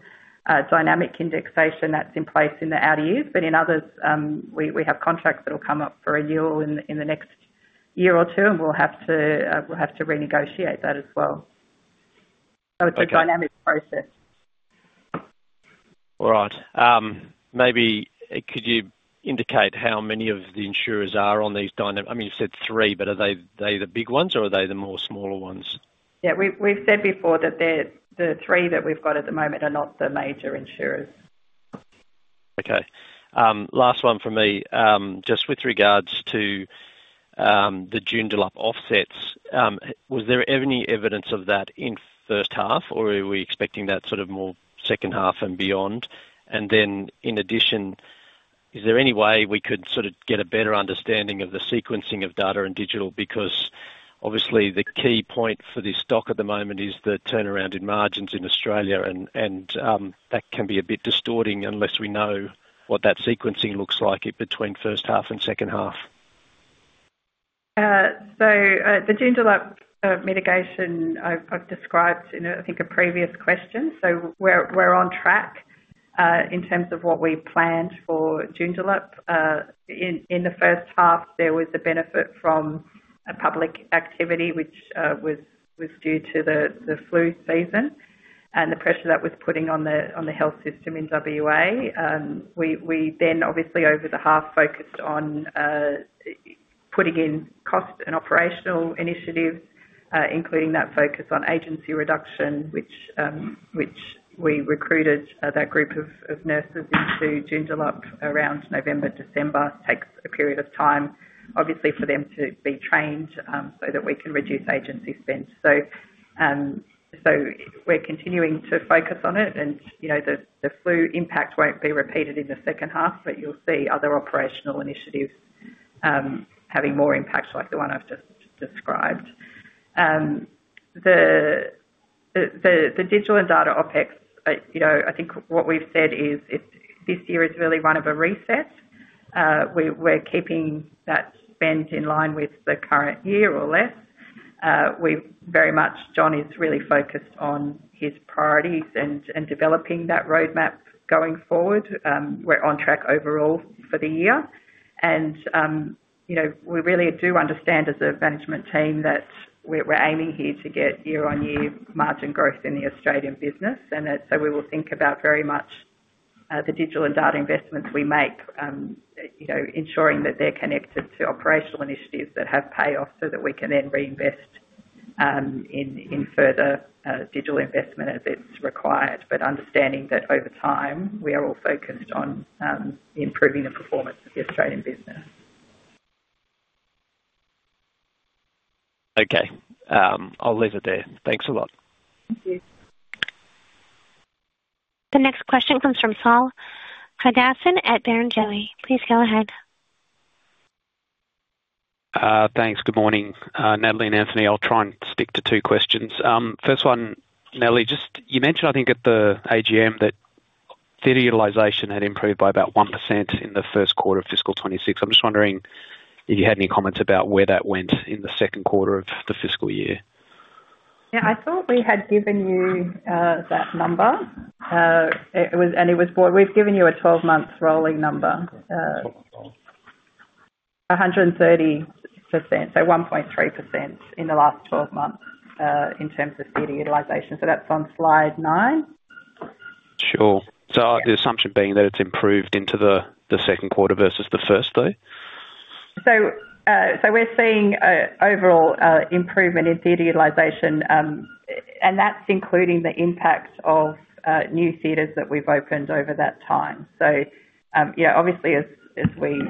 dynamic indexation, that's in place in the outer years, but in others, we have contracts that will come up for renewal in the next year or two, and we'll have to renegotiate that as well. Okay. It's a dynamic process. All right. Maybe could you indicate how many of the insurers are on these dynamic? I mean, you said three, but are they the big ones or are they the more smaller ones? We've said before that the three that we've got at the moment are not the major insurers. Okay. Last one for me. Just with regards to the Joondalup offsets, was there any evidence of that in first half, or are we expecting that sort of more second half and beyond? In addition, is there any way we could sort of get a better understanding of the sequencing of data and digital? Obviously the key point for this stock at the moment is the turnaround in margins in Australia, and that can be a bit distorting unless we know what that sequencing looks like between first half and second half. The Joondalup mitigation I've described in, I think, a previous question. We're on track in terms of what we planned for Joondalup. In the first half, there was the benefit from a public activity which was due to the flu season and the pressure that was putting on the health system in WA. We then obviously over the half focused on putting in cost and operational initiatives, including that focus on agency reduction, which we recruited that group of nurses into Joondalup around November, December. Takes a period of time, obviously, for them to be trained so that we can reduce agency spend. We're continuing to focus on it. You know, the flu impact won't be repeated in the second half, but you'll see other operational initiatives having more impact, like the one I've just described. The digital and data OpEx, you know, I think what we've said is this year is really one of a reset. We're keeping that spend in line with the current year or less. John is really focused on his priorities and developing that roadmap going forward. We're on track overall for the year. And, you know, we really do understand as a management team that we're aiming here to get year-on-year margin growth in the Australian business, and so we will think about very much the digital and data investments we make, you know, ensuring that they're connected to operational initiatives that have payoffs, so that we can then reinvest in further digital investment as it's required. Understanding that over time, we are all focused on improving the performance of the Australian business. I'll leave it there. Thanks a lot. Thank you. The next question comes from Saul Hadassin at Barrenjoey. Please go ahead. Thanks. Good morning, Natalie and Anthony. I'll try and stick to two questions. First one, Natalie, you mentioned, I think at the AGM, that theater utilization had improved by about 1% in the first quarter of fiscal 2026. I'm wondering if you had any comments about where that went in the second quarter of the fiscal year? Yeah, I thought we had given you, that number. It was, well, we've given you a 12-month rolling number, 130%, so 1.3% in the last 12 months, in terms of theater utilization. That's on slide nine. Sure. The assumption being that it's improved into the second quarter versus the first, though? We're seeing a overall improvement in theater utilization, and that's including the impact of new theaters that we've opened over that time. Yeah, obviously, as we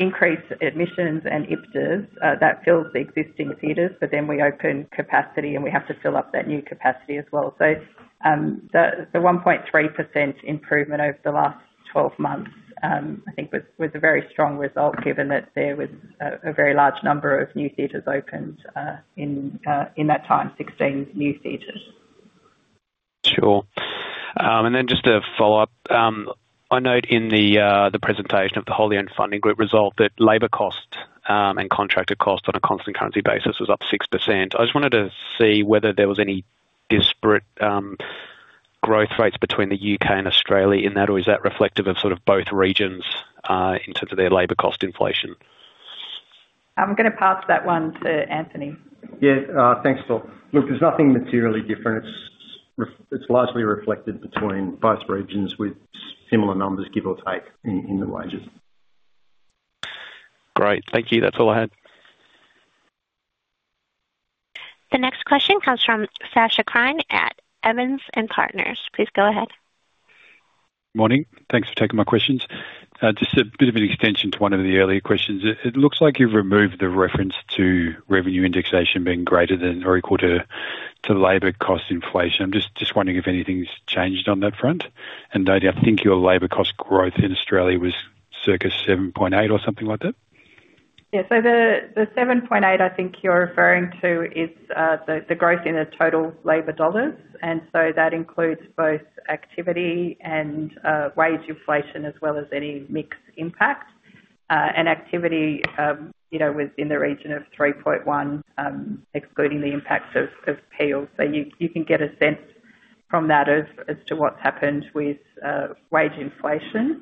increase admissions and IPSAS, that fills the existing theaters, but then we open capacity, and we have to fill up that new capacity as well. The 1.3% improvement over the last 12 months, I think was a very strong result, given that there was a very large number of new theaters opened in that time, 16 new theaters. Sure. Just to follow up, I note in the presentation of the wholly owned Funding Group result, that labor cost and contracted cost on a constant currency basis was up 6%. I just wanted to see whether there was any disparate growth rates between the U.K. and Australia in that, or is that reflective of sort of both regions, in terms of their labor cost inflation? I'm gonna pass that one to Anthony. Yeah. Thanks, Saul. Look, there's nothing materially different. It's largely reflected between both regions with similar numbers, give or take, in the wages. Great. Thank you. That's all I had. The next question comes from Sasha Klein at Evans & Partners. Please go ahead. Morning. Thanks for taking my questions. Just a bit of an extension to one of the earlier questions. It looks like you've removed the reference to revenue indexation being greater than or equal to labor cost inflation. I'm just wondering if anything's changed on that front? Don't you think your labor cost growth in Australia was circa 7.8% or something like that? The 7.8 I think you're referring to is the growth in the total labor dollars, that includes both activity and wage inflation, as well as any mix impact. Activity, you know, was in the region of 3.1, excluding the impacts of PHIs. You can get a sense from that as to what's happened with wage inflation.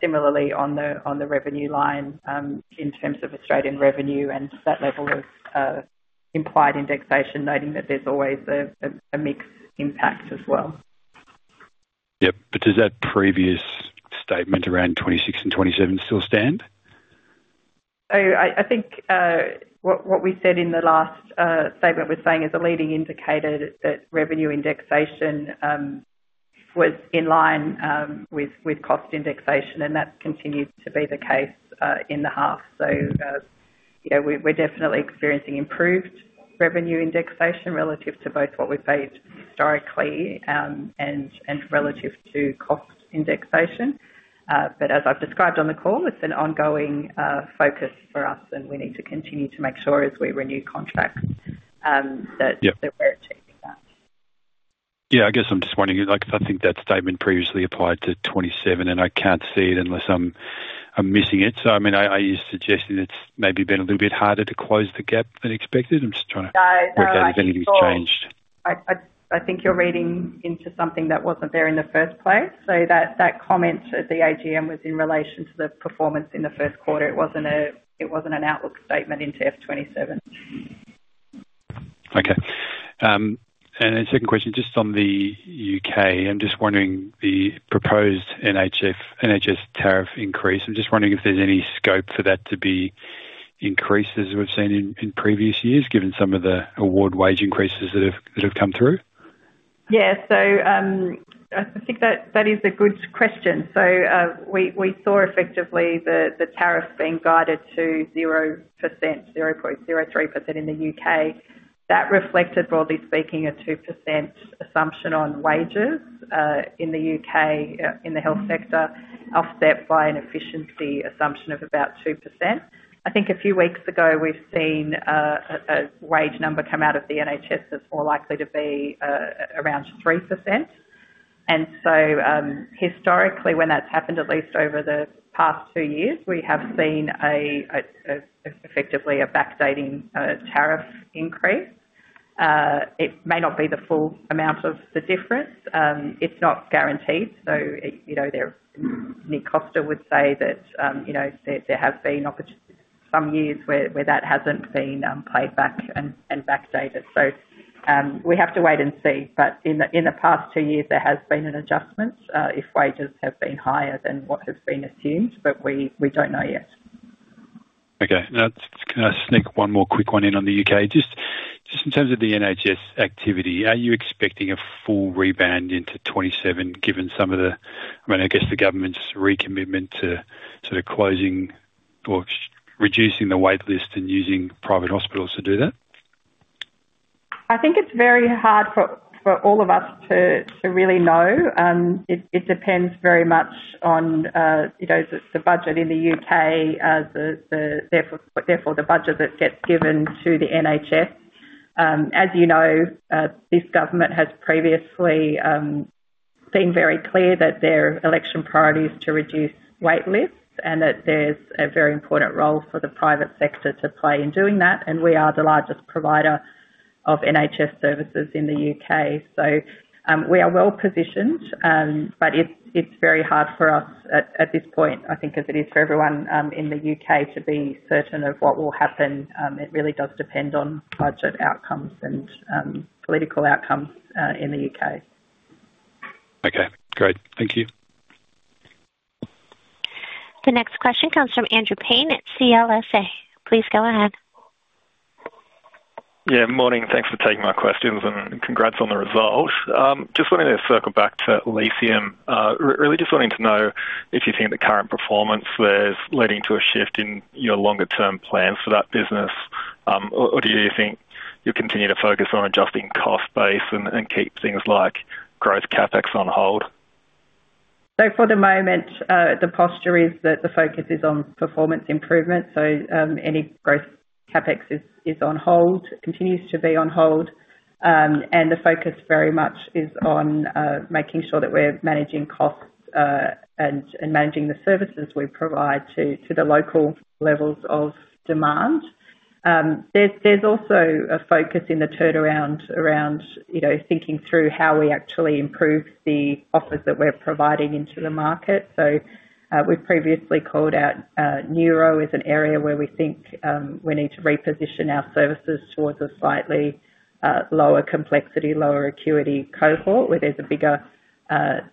Similarly on the revenue line, in terms of Australian revenue and that level of mix, implied indexation, noting that there's always a mixed impact as well. Yep, does that previous statement around 2026 and 2027 still stand? I think what we said in the last statement, we're saying is a leading indicator that revenue indexation was in line with cost indexation, that's continued to be the case in the half. You know, we're definitely experiencing improved revenue indexation relative to both what we've paid historically and relative to cost indexation. As I've described on the call, it's an ongoing focus for us, and we need to continue to make sure as we renew contracts. Yep. that we're achieving that. Yeah, I guess I'm just wondering, like, because I think that statement previously applied to 2027, and I can't see it unless I'm missing it. I mean, are you suggesting it's maybe been a little bit harder to close the gap than expected? I'm just trying to- No. whether there's anything changed. I think you're reading into something that wasn't there in the first place. That, that comment at the AGM was in relation to the performance in the first quarter. It wasn't an outlook statement into FY 2027. Okay. Second question, just on the U.K. I'm just wondering, the proposed NHS tariff increase. I'm just wondering if there's any scope for that to be increased, as we've seen in previous years, given some of the award wage increases that have come through? I think that is a good question. We saw effectively the tariff being guided to 0.03% in the U.K. That reflected, broadly speaking, a 2% assumption on wages in the U.K. in the health sector, offset by an efficiency assumption of about 2%. I think a few weeks ago, we've seen a wage number come out of the NHS that's more likely to be around 3%. Historically, when that's happened, at least over the past two years, we have seen a effectively a backdating tariff increase. It may not be the full amount of the difference. It's not guaranteed, so, you know, Nick Costa would say that, you know, there have been some years where that hasn't been paid back and backdated. We have to wait and see. In the past two years, there has been an adjustment, if wages have been higher than what has been assumed, but we don't know yet. Okay. Now, can I sneak one more quick one in on the U.K.? Just in terms of the NHS activity, are you expecting a full rebound into 2027, given I mean, I guess the government's recommitment to sort of closing or reducing the wait list and using private hospitals to do that? I think it's very hard for all of us to really know. It depends very much on, you know, the budget in the U.K., therefore, the budget that gets given to the NHS. As you know, this government has previously been very clear that their election priority is to reduce wait lists and that there's a very important role for the private sector to play in doing that, and we are the largest provider of NHS services in the U.K. We are well positioned, but it's very hard for us at this point, I think, as it is for everyone, in the U.K., to be certain of what will happen. It really does depend on budget outcomes and political outcomes in the U.K. Okay, great. Thank you. The next question comes from Andrew Paine at CLSA. Please go ahead. Morning. Thanks for taking my questions. Congrats on the results. Just wanted to circle back to Elysium. Really just wanting to know if you think the current performance there is leading to a shift in your longer-term plans for that business, or do you think you'll continue to focus on adjusting cost base and keep things like growth CapEx on hold? For the moment, the posture is that the focus is on performance improvement. Any growth CapEx is on hold, continues to be on hold. The focus very much is on making sure that we're managing costs and managing the services we provide to the local levels of demand. There's also a focus in the turnaround around, you know, thinking through how we actually improve the offers that we're providing into the market. We've previously called out neuro as an area where we think we need to reposition our services towards a slightly lower complexity, lower acuity cohort, where there's a bigger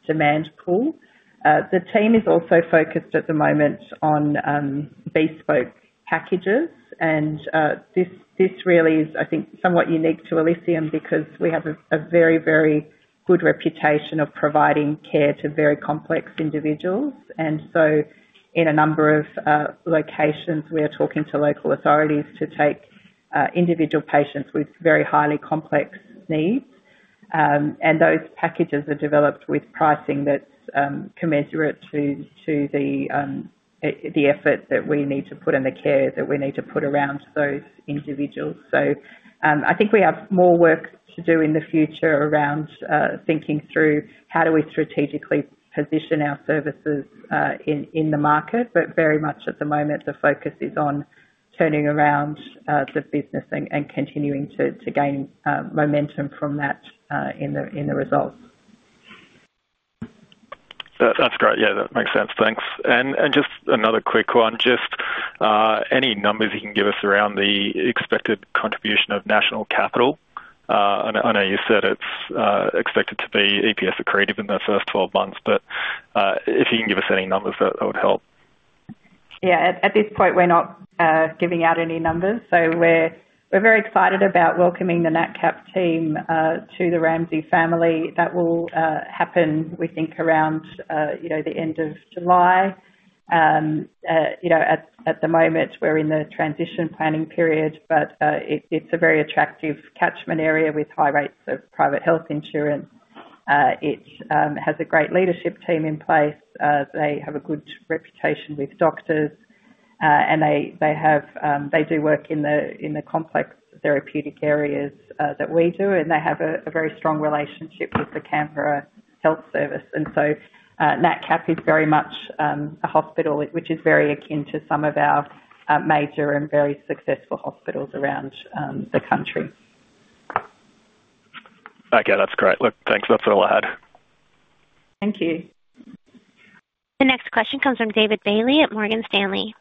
demand pool. The team is also focused at the moment on bespoke packages, and this really is, I think, somewhat unique to Elysium because we have a very good reputation of providing care to very complex individuals. In a number of locations, we are talking to local authorities to take individual patients with very highly complex needs. Those packages are developed with pricing that's commensurate to the effort that we need to put in the care that we need to put around those individuals. I think we have more work to do in the future around thinking through how do we strategically position our services in the market. Very much at the moment, the focus is on turning around, the business and continuing to gain momentum from that, in the results. That's great. Yeah, that makes sense. Thanks. Just another quick one, just any numbers you can give us around the expected contribution of National Capital? I know you said it's expected to be EPS accretive in the first 12 months, but if you can give us any numbers, that would help. Yeah. At this point, we're not giving out any numbers. We're very excited about welcoming the Nat Cap team to the Ramsay family. That will happen, we think, around, you know, the end of July. You know, at the moment, we're in the transition planning period, but it's a very attractive catchment area with high rates of private health insurance. It has a great leadership team in place. They have a good reputation with doctors, and they do work in the complex therapeutic areas that we do, and they have a very strong relationship with the Canberra Health Services. Nat Cap is very much a hospital, which is very akin to some of our major and very successful hospitals around the country. Okay, that's great. Look, thanks. That's all I had. Thank you. The next question comes from David Bailey at Morgan Stanley.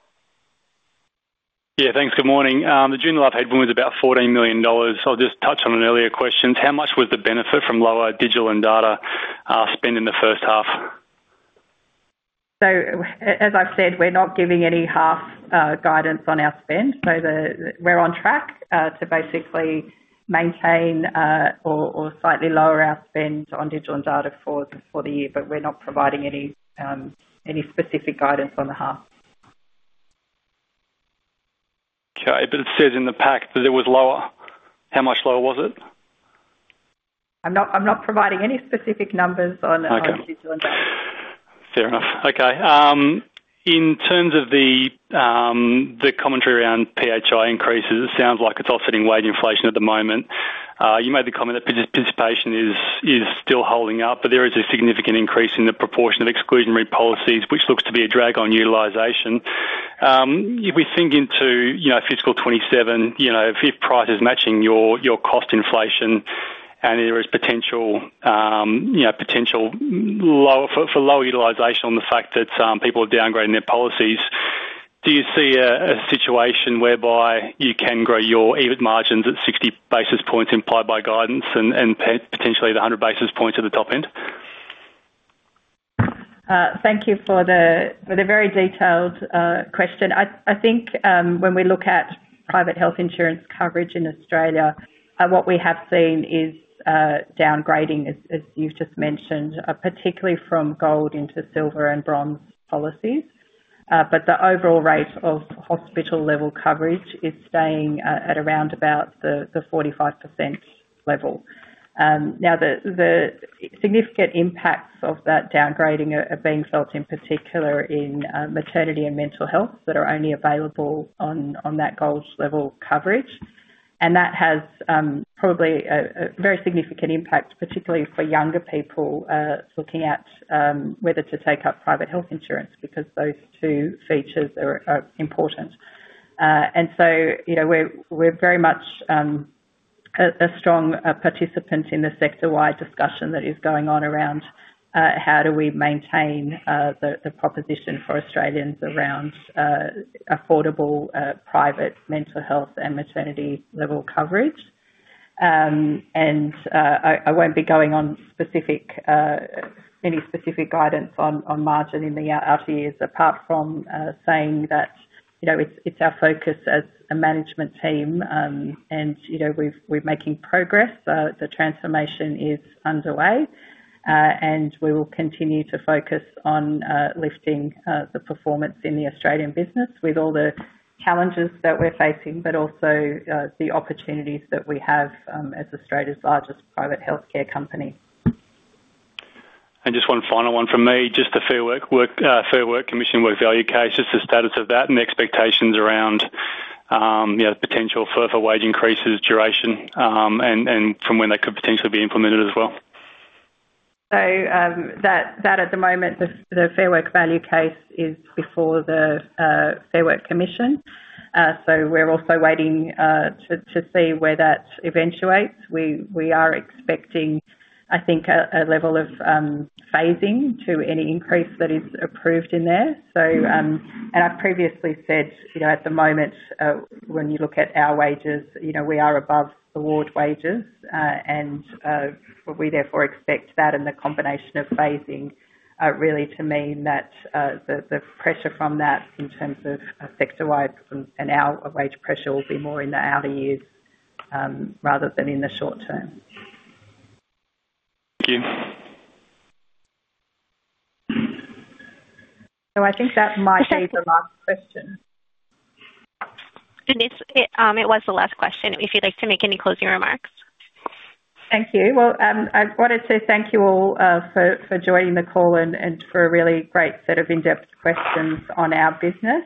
Thanks. Good morning. The June quarter headwind was about 14 million dollars. I'll just touch on an earlier question. How much was the benefit from lower digital and data spend in the first half? As I've said, we're not giving any half guidance on our spend. We're on track to basically maintain, or slightly lower our spend on digital and data for the year, but we're not providing any specific guidance on the half. Okay, it says in the pack that it was lower. How much lower was it? I'm not providing any specific numbers on... Okay. on digital and data. Fair enough. Okay. In terms of the commentary around PHI increases, it sounds like it's offsetting wage inflation at the moment. You made the comment that participation is still holding up, but there is a significant increase in the proportion of exclusionary policies, which looks to be a drag on utilization. If we think into fiscal 2027, you know, if price is matching your cost inflation and there is potential for low utilization on the fact that people are downgrading their policies, do you see a situation whereby you can grow your EBIT margins at 60 basis points implied by guidance and potentially the 100 basis points at the top end? Thank you for the very detailed question. I think when we look at private health insurance coverage in Australia, what we have seen is downgrading, as you've just mentioned, particularly from gold into silver and bronze policies. The overall rate of hospital-level coverage is staying at around about the 45% level. Now, the significant impacts of that downgrading are being felt, in particular, in maternity and mental health, that are only available on that gold-level coverage. That has probably a very significant impact, particularly for younger people looking at whether to take up private health insurance, because those two features are important. You know, we're very much a strong participant in the sector-wide discussion that is going on around how do we maintain the proposition for Australians around affordable private mental health and maternity-level coverage? I won't be going on any specific guidance on margin in the outer years, apart from saying that, you know, it's our focus as a management team. You know, we're making progress. The transformation is underway, and we will continue to focus on lifting the performance in the Australian business with all the challenges that we're facing, but also the opportunities that we have as Australia's largest private healthcare company. Just one final one from me, just the Fair Work Commission work value case, just the status of that and the expectations around, you know, potential further wage increases, duration, and from when they could potentially be implemented as well. That at the moment, the Fair Work value case is before the Fair Work Commission. We're also waiting to see where that eventuates. We are expecting, I think, a level of phasing to any increase that is approved in there. I've previously said, you know, at the moment, when you look at our wages, you know, we are above award wages, and we therefore expect that and the combination of phasing really to mean that the pressure from that in terms of sector-wide and our wage pressure will be more in the outer years, rather than in the short term. Thank you. I think that might be the last question. It is. It was the last question, if you'd like to make any closing remarks. Thank you. Well, I wanted to say thank you all for joining the call and for a really great set of in-depth questions on our business.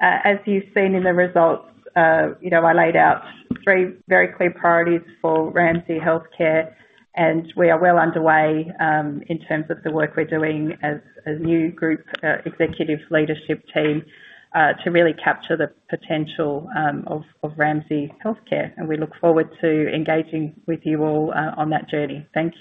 As you've seen in the results, you know, I laid out three very clear priorities for Ramsay Health Care. We are well underway in terms of the work we're doing as a new group executive leadership team to really capture the potential of Ramsay Health Care. We look forward to engaging with you all on that journey. Thank you.